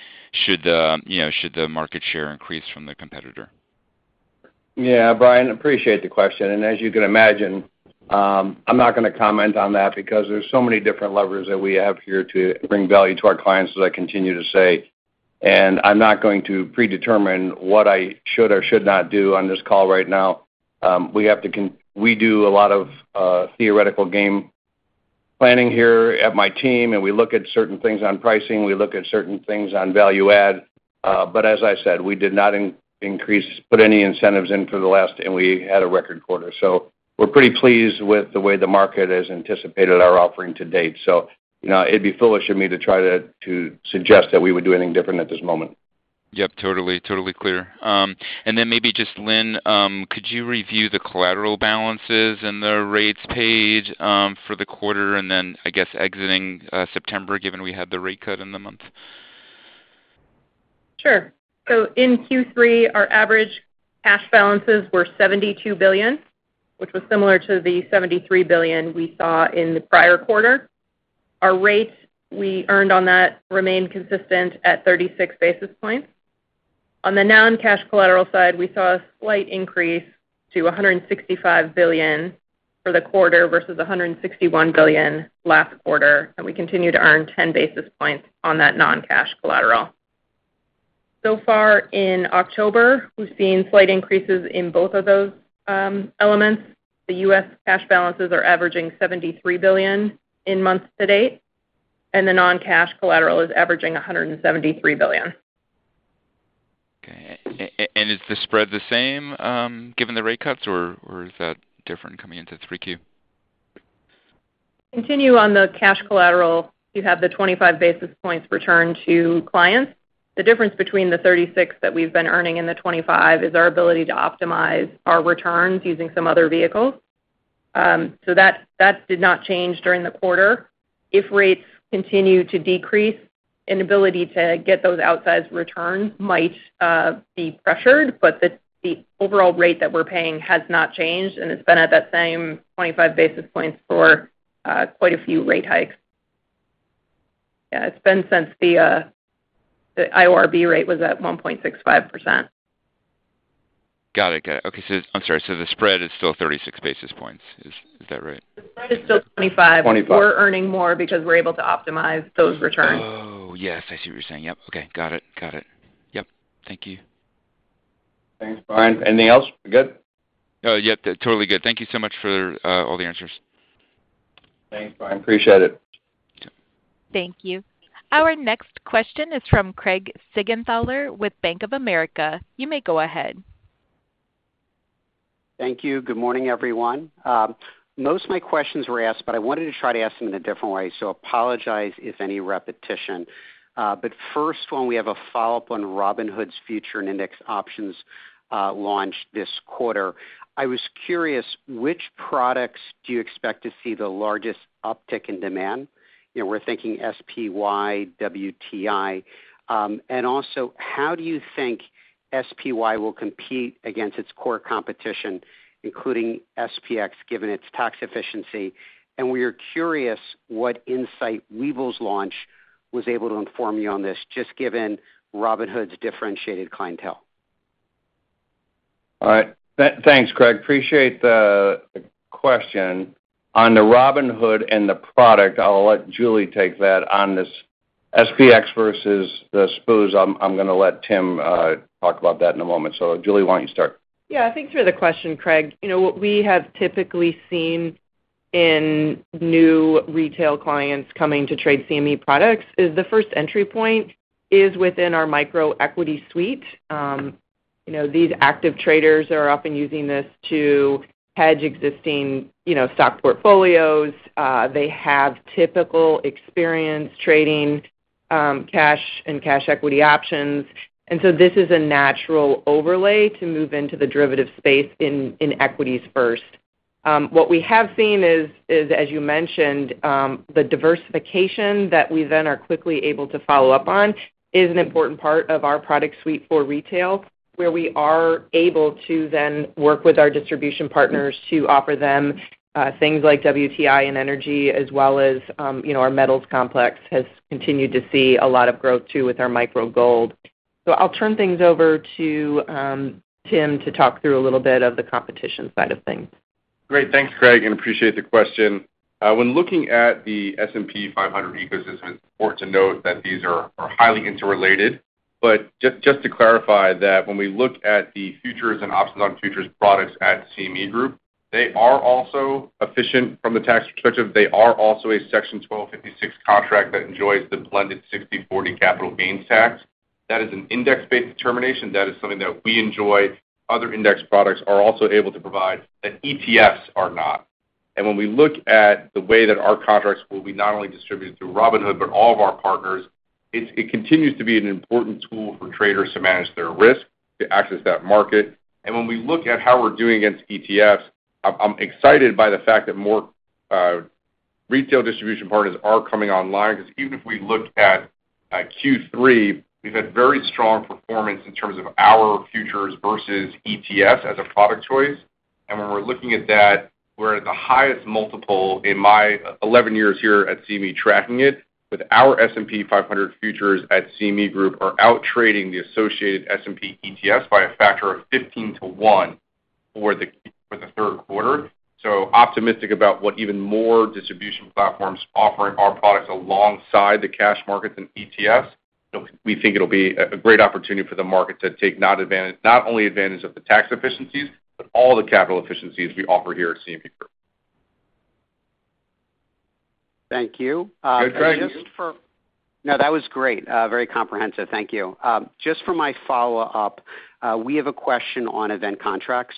the, you know, market share increase from the competitor? Yeah, Brian, appreciate the question, and as you can imagine, I'm not gonna comment on that because there's so many different levers that we have here to bring value to our clients, as I continue to say, and I'm not going to predetermine what I should or should not do on this call right now. We do a lot of theoretical game planning here at my team, and we look at certain things on pricing, we look at certain things on value add, but as I said, we did not put any incentives in for the last, and we had a record quarter, so we're pretty pleased with the way the market has anticipated our offering to date, so you know, it'd be foolish of me to try to suggest that we would do anything different at this moment. Yep, totally, totally clear. And then maybe just Lynne, could you review the collateral balances and the rates paid for the quarter, and then, I guess, exiting September, given we had the rate cut in the month?... Sure. So in Q3, our average cash balances were $72 billion, which was similar to the $73 billion we saw in the prior quarter. Our rates we earned on that remained consistent at 36 basis points. On the non-cash collateral side, we saw a slight increase to $165 billion for the quarter versus $161 billion last quarter, and we continue to earn 10 basis points on that non-cash collateral. So far in October, we've seen slight increases in both of those elements. The U.S. cash balances are averaging $73 billion in month-to-date, and the non-cash collateral is averaging $173 billion. Okay. And is the spread the same, given the rate cuts, or is that different coming into 3Q? Continue on the cash collateral, you have the 25 basis points returned to clients. The difference between the 36 basis points that we've been earning and the 25 basis points is our ability to optimize our returns using some other vehicles. So that did not change during the quarter. If rates continue to decrease, an ability to get those outsized returns might be pressured, but the overall rate that we're paying has not changed, and it's been at that same 25 basis points for quite a few rate hikes. Yeah, it's been since the IORB rate was at 1.65%. Got it. Got it. Okay, so I'm sorry, so the spread is still 36 basis points. Is that right? The spread is still 25 basis points. 25? We're earning more because we're able to optimize those returns. Oh, yes, I see what you're saying. Yep, okay, got it. Got it. Yep. Thank you. Thanks, Brian. Anything else? We're good? Yep, totally good. Thank you so much for all the answers. Thanks, Brian. Appreciate it. Okay. Thank you. Our next question is from Craig Siegenthaler with Bank of America. You may go ahead. Thank you. Good morning, everyone. Most of my questions were asked, but I wanted to try to ask them in a different way, so apologize if any repetition. But first one, we have a follow-up on Robinhood's futures and index options, launch this quarter. I was curious, which products do you expect to see the largest uptick in demand? You know, we're thinking SPY, WTI, and also, how do you think SPY will compete against its core competition, including SPX, given its tax efficiency? And we are curious what insight Webull's launch was able to inform you on this, just given Robinhood's differentiated clientele. All right. Thanks, Craig. Appreciate the question. On the Robinhood and the product, I'll let Julie take that. On this SPX versus the SPYs, I'm gonna let Tim talk about that in a moment. So Julie, why don't you start? Yeah, thanks for the question, Craig. You know, what we have typically seen in new retail clients coming to trade CME products is the first entry point is within our Micro-equity suite. You know, these active traders are often using this to hedge existing, you know, stock portfolios. They have typical experience trading, cash and cash equity options, and so this is a natural overlay to move into the derivative space in equities first. What we have seen is, as you mentioned, the diversification that we then are quickly able to follow up on is an important part of our product suite for retail, where we are able to then work with our distribution partners to offer them, things like WTI and energy, as well as, you know, our metals complex has continued to see a lot of growth, too, with our Micro Gold. So I'll turn things over to, Tim to talk through a little bit of the competition side of things. Great. Thanks, Craig, and appreciate the question. When looking at the S&P 500 ecosystem, it's important to note that these are highly interrelated. But just to clarify that when we look at the futures and options on futures products at CME Group, they are also efficient from a tax perspective. They are also a Section 1256 contract that enjoys the blended 60/40 capital gains tax. That is an index-based determination. That is something that we enjoy, other index products are also able to provide, that ETFs are not. And when we look at the way that our contracts will be not only distributed through Robinhood, but all of our partners, it continues to be an important tool for traders to manage their risk, to access that market. And when we look at how we're doing against ETFs, I'm excited by the fact that more retail distribution partners are coming online, because even if we look at Q3, we've had very strong performance in terms of our futures versus ETFs as a product choice. And when we're looking at that, we're at the highest multiple in my 11 years here at CME, tracking it, with our S&P 500 futures at CME Group are out-trading the associated S&P ETFs by a factor of 15 to one for the third quarter. So optimistic about what even more distribution platforms offering our products alongside the cash markets and ETFs. So we think it'll be a great opportunity for the market to take not only advantage of the tax efficiencies, but all the capital efficiencies we offer here at CME Group. Thank you. Good, Craig. No, that was great. Very comprehensive. Thank you. Just for my follow-up, we have a question on event contracts.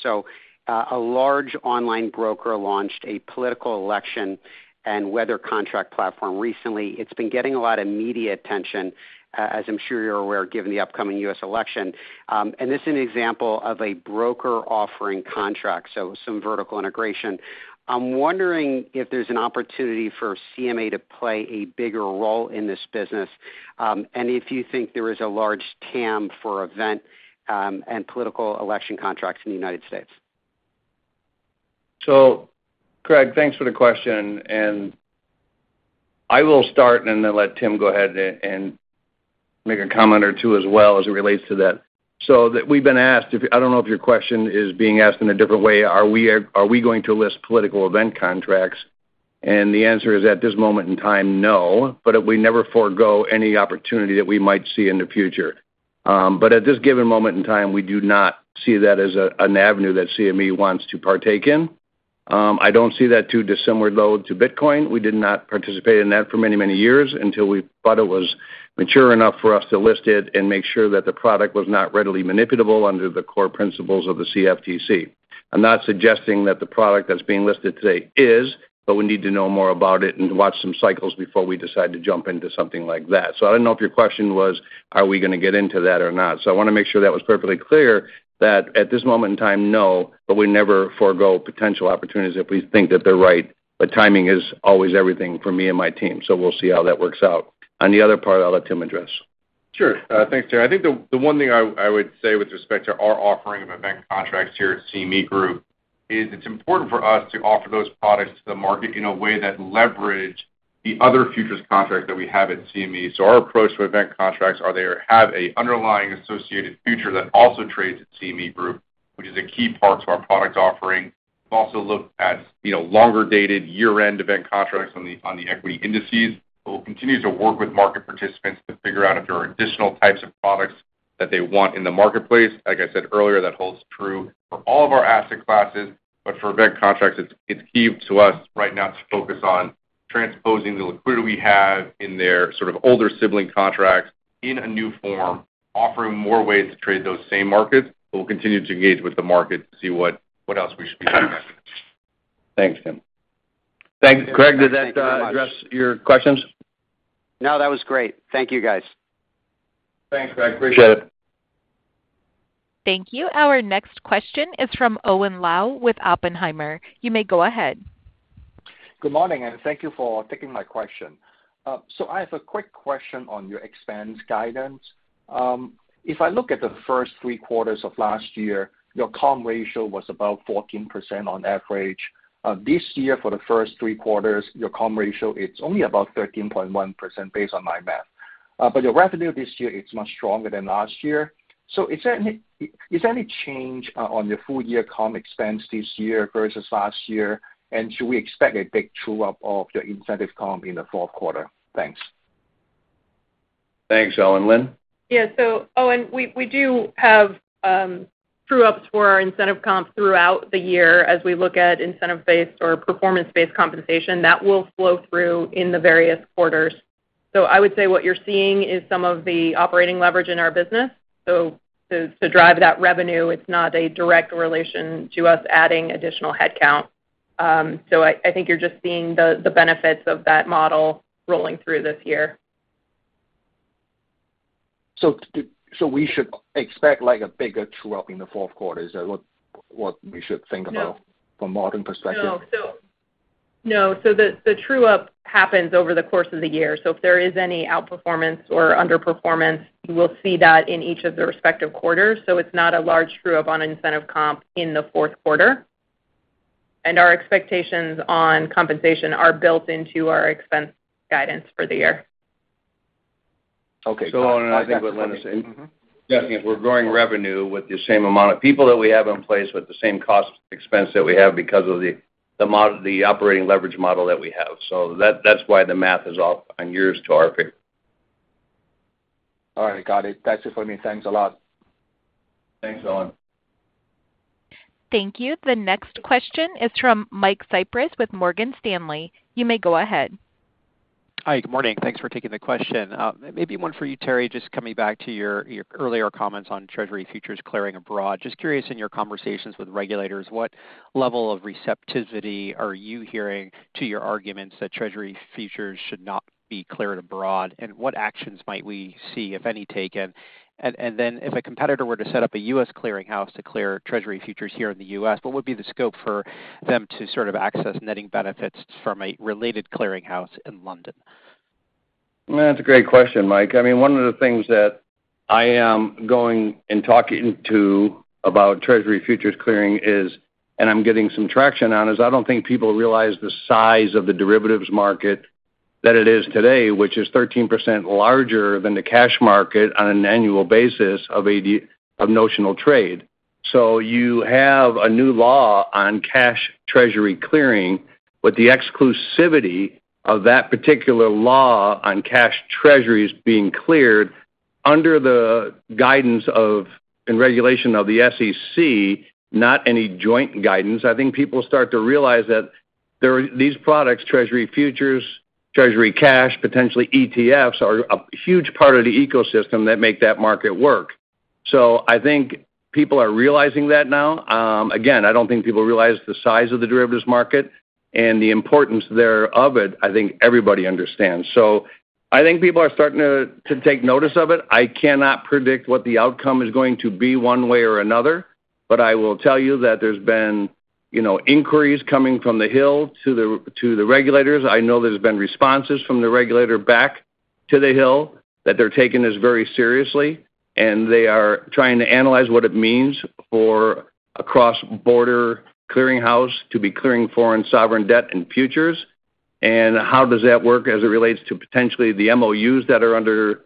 A large online broker launched a political election and weather contract platform recently. It's been getting a lot of media attention, as I'm sure you're aware, given the upcoming U.S. election, and this is an example of a broker offering contracts, so some vertical integration. I'm wondering if there's an opportunity for CME to play a bigger role in this business, and if you think there is a large TAM for event, and political election contracts in the United States?... So Craig, thanks for the question, and I will start and then let Tim go ahead and make a comment or two as well as it relates to that. So we've been asked, if I don't know if your question is being asked in a different way, are we going to list political event contracts? And the answer is, at this moment in time, no, but we never forgo any opportunity that we might see in the future. But at this given moment in time, we do not see that as an avenue that CME wants to partake in. I don't see that too dissimilar, though, to Bitcoin. We did not participate in that for many, many years until we thought it was mature enough for us to list it and make sure that the product was not readily manipulable under the core principles of the CFTC. I'm not suggesting that the product that's being listed today is, but we need to know more about it and watch some cycles before we decide to jump into something like that. So I don't know if your question was, are we gonna get into that or not? So I wanna make sure that was perfectly clear that at this moment in time, no, but we never forego potential opportunities if we think that they're right. But timing is always everything for me and my team, so we'll see how that works out. On the other part, I'll let Tim address. Sure. Thanks, Terry. I think the one thing I would say with respect to our offering of event contracts here at CME Group is it's important for us to offer those products to the market in a way that leverage the other futures contracts that we have at CME. So our approach to event contracts are they have a underlying associated future that also trades at CME Group, which is a key part to our product offering. We've also looked at, you know, longer-dated, year-end event contracts on the equity indices. We'll continue to work with market participants to figure out if there are additional types of products that they want in the marketplace. Like I said earlier, that holds true for all of our asset classes, but for event contracts, it's key to us right now to focus on transposing the liquidity we have in their sort of older sibling contracts in a new form, offering more ways to trade those same markets. But we'll continue to engage with the market to see what else we should be doing next. Thanks, Tim. Thanks. Craig, did that address your questions? No, that was great. Thank you, guys. Thanks, Craig. Appreciate it. Thank you. Our next question is from Owen Lau with Oppenheimer. You may go ahead. Good morning, and thank you for taking my question. So I have a quick question on your expense guidance. If I look at the first three quarters of last year, your comp ratio was about 14% on average. This year, for the first three quarters, your comp ratio, it's only about 13.1%, based on my math. But your revenue this year is much stronger than last year. So is there any, is there any change, on your full year comp expense this year versus last year? And should we expect a big true-up of your incentive comp in the fourth quarter? Thanks. Thanks, Owen. Lynne? Yeah. So, Owen, we do have true-ups for our incentive comp throughout the year as we look at incentive-based or performance-based compensation, that will flow through in the various quarters. So I would say what you're seeing is some of the operating leverage in our business. So to drive that revenue, it's not a direct relation to us adding additional headcount. So I think you're just seeing the benefits of that model rolling through this year. So we should expect like a bigger true-up in the fourth quarter? Is that what we should think about? No. From a modeling perspective? No, so the true-up happens over the course of the year. So if there is any outperformance or underperformance, you will see that in each of the respective quarters. So it's not a large true-up on incentive comp in the fourth quarter. And our expectations on compensation are built into our expense guidance for the year. Okay. So, and I think what Lynne is saying, yes, we're growing revenue with the same amount of people that we have in place, with the same cost expense that we have because of the operating leverage model that we have. So that, that's why the math is off on yours to our figure. All right, got it. That's it for me. Thanks a lot. Thanks, Owen. Thank you. The next question is from Mike Cyprys with Morgan Stanley. You may go ahead. Hi, good morning. Thanks for taking the question. Maybe one for you, Terry, just coming back to your earlier comments on Treasury futures clearing abroad. Just curious, in your conversations with regulators, what level of receptivity are you hearing to your arguments that Treasury futures should not be cleared abroad, and what actions might we see, if any, taken? And then, if a competitor were to set up a U.S. clearinghouse to clear Treasury futures here in the U.S., what would be the scope for them to sort of access netting benefits from a related clearinghouse in London? That's a great question, Mike. I mean, one of the things that I am going and talking to about Treasury futures clearing is, and I'm getting some traction on, is I don't think people realize the size of the derivatives market that it is today, which is 13% larger than the cash market on an annual basis of ADV of notional trade. So you have a new law on cash Treasury clearing, but the exclusivity of that particular law on cash Treasuries being cleared under the guidance of, and regulation of the SEC, not any joint guidance. I think people start to realize that there are these products, Treasury futures, Treasury cash, potentially ETFs, are a huge part of the ecosystem that make that market work. So I think people are realizing that now. Again, I don't think people realize the size of the derivatives market and the importance thereof, I think everybody understands. So I think people are starting to take notice of it. I cannot predict what the outcome is going to be one way or another, but I will tell you that there's been, you know, inquiries coming from the Hill to the regulators. I know there's been responses from the regulator back to the Hill, that they're taking this very seriously, and they are trying to analyze what it means for a cross-border clearinghouse to be clearing foreign sovereign debt and futures. And how does that work as it relates to potentially the MOUs that are under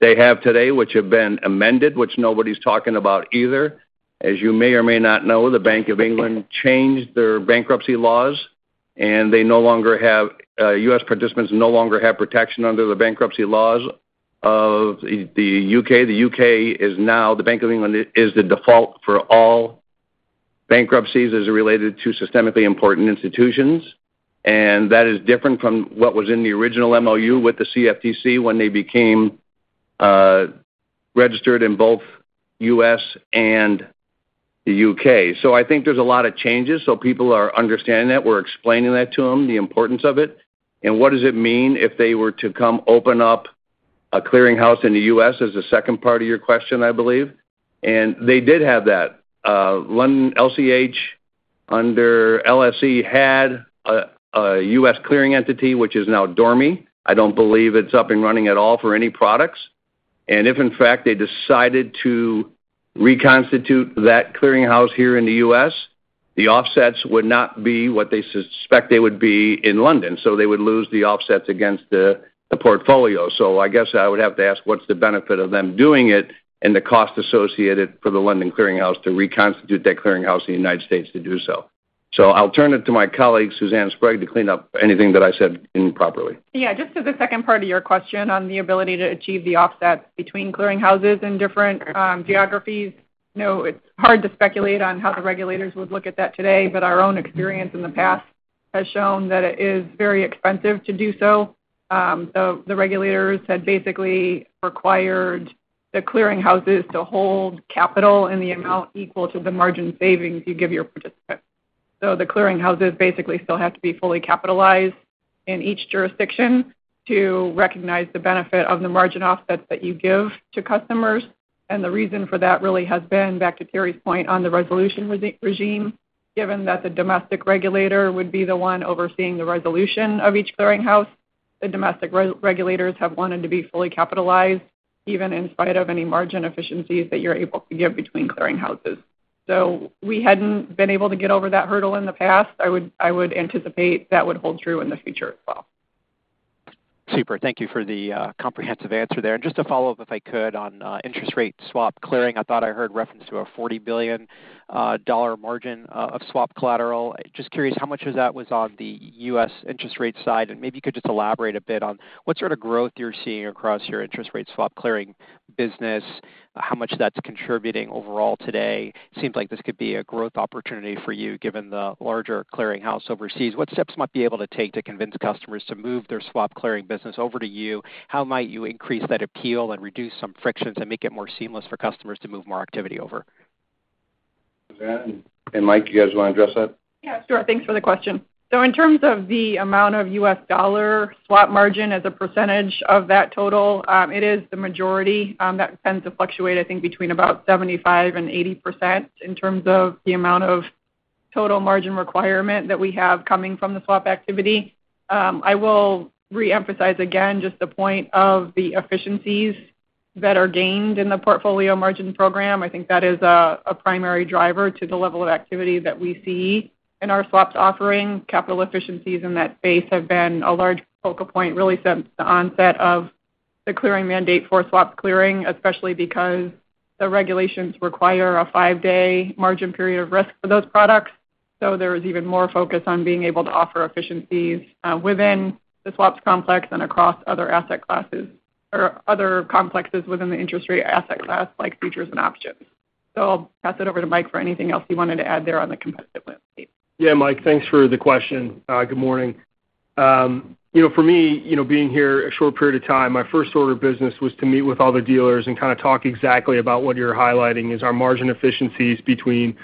they have today, which have been amended, which nobody's talking about either. As you may or may not know, the Bank of England changed their bankruptcy laws, and they no longer have U.S. participants no longer have protection under the bankruptcy laws of the U.K. The U.K. is now the Bank of England is the default for all bankruptcies as it related to systemically important institutions, and that is different from what was in the original MOU with the CFTC when they became registered in both U.S. and the U.K. So I think there's a lot of changes, so people are understanding that. We're explaining that to them, the importance of it, and what does it mean if they were to come open up a clearinghouse in the U.S. as a second part of your question, I believe. And they did have that. London LCH, under LSE, had a U.S. clearing entity, which is now dormant. I don't believe it's up and running at all for any products. If, in fact, they decided to reconstitute that clearinghouse here in the U.S., the offsets would not be what they suspect they would be in London, so they would lose the offsets against the portfolio. I guess I would have to ask, what's the benefit of them doing it and the cost associated for the London Clearing House to reconstitute that clearinghouse in the United States to do so? I'll turn it to my colleague, Suzanne Sprague, to clean up anything that I said improperly. Yeah, just to the second part of your question on the ability to achieve the offsets between clearinghouses in different geographies. You know, it's hard to speculate on how the regulators would look at that today, but our own experience in the past has shown that it is very expensive to do so. So the regulators had basically required the clearinghouses to hold capital in the amount equal to the margin savings you give your participants. So the clearinghouses basically still have to be fully capitalized in each jurisdiction to recognize the benefit of the margin offsets that you give to customers, and the reason for that really has been, back to Terry's point on the resolution regime, given that the domestic regulator would be the one overseeing the resolution of each clearinghouse. The domestic regulators have wanted to be fully capitalized, even in spite of any margin efficiencies that you are able to give between clearinghouses. So we had not been able to get over that hurdle in the past. I would, I would anticipate that would hold true in the future as well. Super. Thank you for the comprehensive answer there. And just to follow up, if I could, on interest rate swap clearing. I thought I heard reference to a $40 billion dollar margin of swap collateral. Just curious, how much of that was on the U.S. interest rate side? And maybe you could just elaborate a bit on what sort of growth you're seeing across your interest rate swap clearing business, how much that's contributing overall today. Seems like this could be a growth opportunity for you, given the larger clearinghouse overseas. What steps might be able to take to convince customers to move their swap clearing business over to you? How might you increase that appeal and reduce some frictions and make it more seamless for customers to move more activity over? Suzanne and Mike, you guys wanna address that? Yeah, sure. Thanks for the question. So in terms of the amount of U.S. dollar swap margin as a percentage of that total, it is the majority. That tends to fluctuate, I think, between about 75% and 80% in terms of the amount of total margin requirement that we have coming from the swap activity. I will reemphasize again, just the point of the efficiencies that are gained in the portfolio margin program. I think that is a primary driver to the level of activity that we see in our swaps offering. Capital efficiencies in that space have been a large focal point, really, since the onset of the clearing mandate for swap clearing, especially because the regulations require a five-day margin period of risk for those products. There is even more focus on being able to offer efficiencies within the swaps complex and across other asset classes or other complexes within the interest rate asset class, like futures and options. I'll pass it over to Mike for anything else you wanted to add there on the competitive landscape. Yeah, Mike, thanks for the question. Good morning. You know, for me, you know, being here a short period of time, my first order of business was to meet with all the dealers and kind of talk exactly about what you're highlighting, is our margin efficiencies between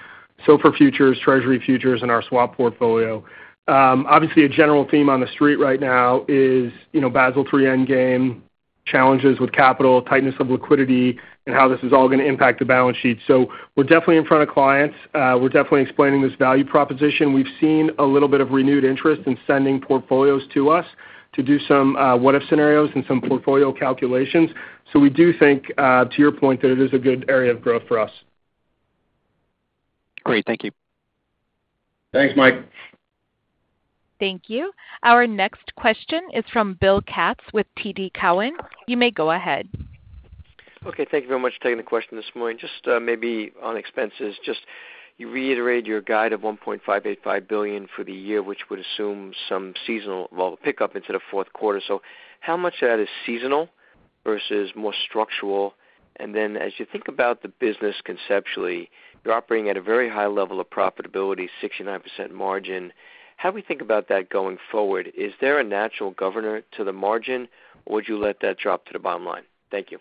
SOFR futures, Treasury futures, and our swap portfolio. Obviously, a general theme on the street right now is, you know, Basel III Endgame, challenges with capital, tightness of liquidity, and how this is all gonna impact the balance sheet. So we're definitely in front of clients. We're definitely explaining this value proposition. We've seen a little bit of renewed interest in sending portfolios to us to do some what-if scenarios and some portfolio calculations. So we do think, to your point, that it is a good area of growth for us. Great. Thank you. Thanks, Mike. Thank you. Our next question is from Bill Katz with TD Cowen. You may go ahead. Okay, thank you very much for taking the question this morning. Just, maybe on expenses, just you reiterated your guide of $1.585 billion for the year, which would assume some seasonal, well, pickup into the fourth quarter. So how much of that is seasonal versus more structural? And then as you think about the business conceptually, you're operating at a very high level of profitability, 69% margin. How do we think about that going forward? Is there a natural governor to the margin, or would you let that drop to the bottom line? Thank you.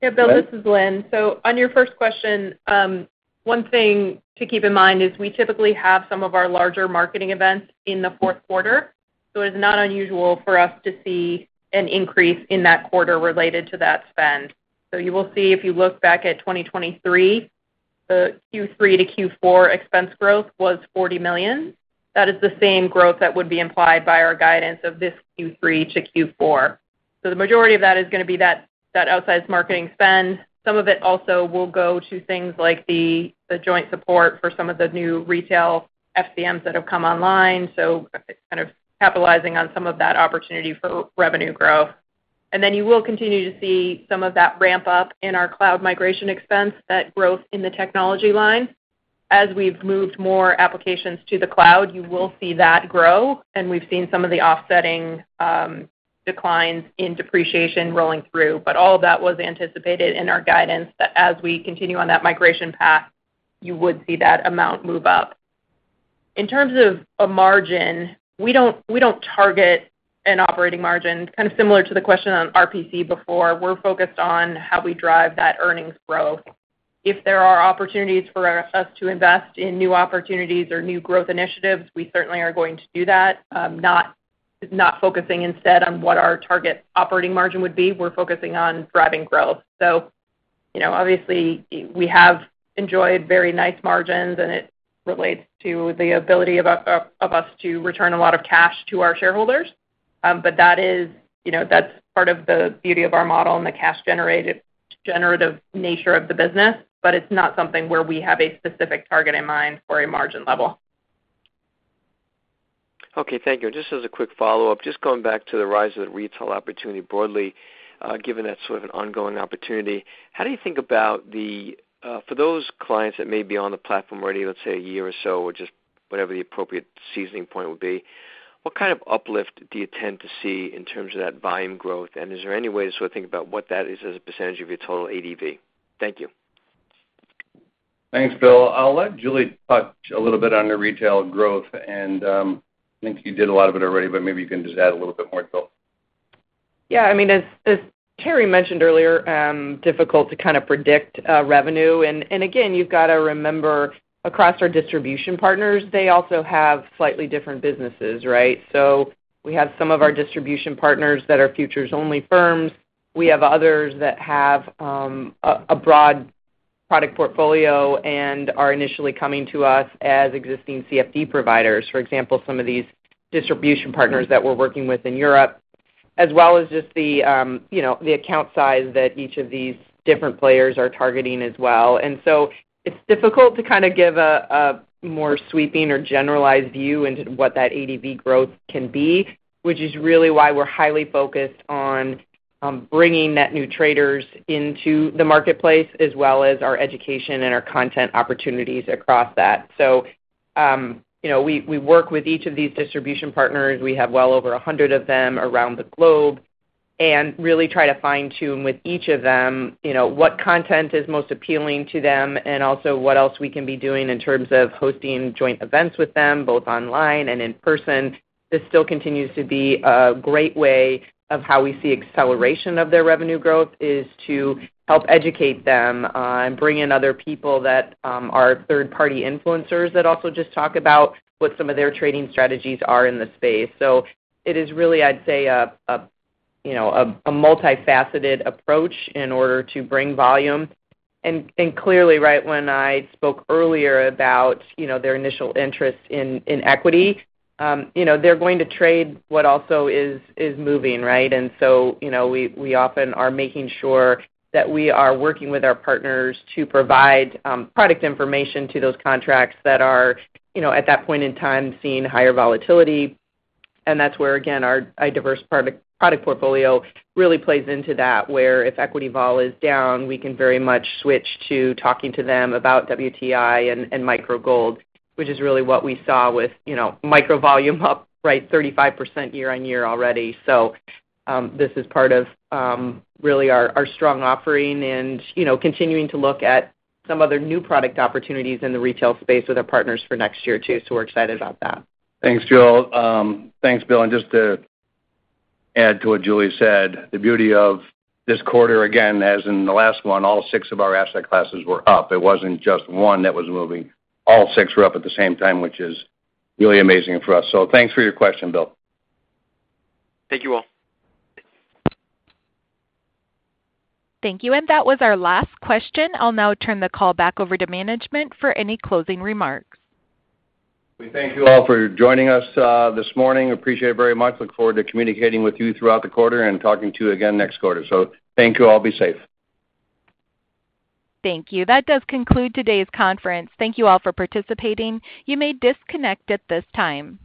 Yeah, Bill, this is Lynne. So on your first question, one thing to keep in mind is we typically have some of our larger marketing events in the fourth quarter, so it's not unusual for us to see an increase in that quarter related to that spend. So you will see, if you look back at 2023-... the Q3 to Q4 expense growth was $40 million. That is the same growth that would be implied by our guidance of this Q3 to Q4. So the majority of that is gonna be that outsized marketing spend. Some of it also will go to things like the joint support for some of the new retail FCMs that have come online, so kind of capitalizing on some of that opportunity for revenue growth. And then you will continue to see some of that ramp up in our cloud migration expense, that growth in the technology line. As we've moved more applications to the cloud, you will see that grow, and we've seen some of the offsetting declines in depreciation rolling through. But all of that was anticipated in our guidance, that as we continue on that migration path, you would see that amount move up. In terms of a margin, we don't target an operating margin, kind of similar to the question on RPC before. We're focused on how we drive that earnings growth. If there are opportunities for us to invest in new opportunities or new growth initiatives, we certainly are going to do that, not focusing instead on what our target operating margin would be. We're focusing on driving growth. So, you know, obviously, we have enjoyed very nice margins, and it relates to the ability of us to return a lot of cash to our shareholders. But that is, you know, that's part of the beauty of our model and the cash-generative nature of the business, but it's not something where we have a specific target in mind for a margin level. Okay, thank you. Just as a quick follow-up, just going back to the rise of the retail opportunity broadly, given that sort of an ongoing opportunity, how do you think about the, for those clients that may be on the platform already, let's say, a year or so, or just whatever the appropriate seasoning point would be, what kind of uplift do you tend to see in terms of that volume growth? And is there any way to sort of think about what that is as a percentage of your total ADV? Thank you. Thanks, Bill. I'll let Julie touch a little bit on the retail growth, and, I think you did a lot of it already, but maybe you can just add a little bit more detail. Yeah, I mean, as Terry mentioned earlier, difficult to kind of predict revenue. And again, you've got to remember, across our distribution partners, they also have slightly different businesses, right? So we have some of our distribution partners that are futures-only firms. We have others that have a broad product portfolio and are initially coming to us as existing CFD providers. For example, some of these distribution partners that we're working with in Europe, as well as just the you know, the account size that each of these different players are targeting as well. And so it's difficult to kind of give a more sweeping or generalized view into what that ADV growth can be, which is really why we're highly focused on bringing net new traders into the marketplace, as well as our education and our content opportunities across that. So, you know, we work with each of these distribution partners. We have well over a hundred of them around the globe, and really try to fine-tune with each of them, you know, what content is most appealing to them, and also what else we can be doing in terms of hosting joint events with them, both online and in person. This still continues to be a great way of how we see acceleration of their revenue growth, is to help educate them, and bring in other people that are third-party influencers that also just talk about what some of their trading strategies are in the space. So it is really, I'd say, a multifaceted approach in order to bring volume. And clearly, right, when I spoke earlier about, you know, their initial interest in equity, you know, they're going to trade what also is moving, right? And so, you know, we often are making sure that we are working with our partners to provide product information to those contracts that are, you know, at that point in time, seeing higher volatility. And that's where, again, our diverse product portfolio really plays into that, where if equity vol is down, we can very much switch to talking to them about WTI and Micro Gold, which is really what we saw with, you know, micro volume up, right, 35% year-on-year already. So, this is part of, really our strong offering and, you know, continuing to look at some other new product opportunities in the retail space with our partners for next year, too. So we're excited about that. Thanks, Julie. Thanks, Bill. And just to add to what Julie said, the beauty of this quarter, again, as in the last one, all six of our asset classes were up. It wasn't just one that was moving. All six were up at the same time, which is really amazing for us. So thanks for your question, Bill. Thank you, all. Thank you, and that was our last question. I'll now turn the call back over to management for any closing remarks. We thank you all for joining us this morning. Appreciate it very much. Look forward to communicating with you throughout the quarter and talking to you again next quarter. So thank you all. Be safe. Thank you. That does conclude today's conference. Thank you all for participating. You may disconnect at this time.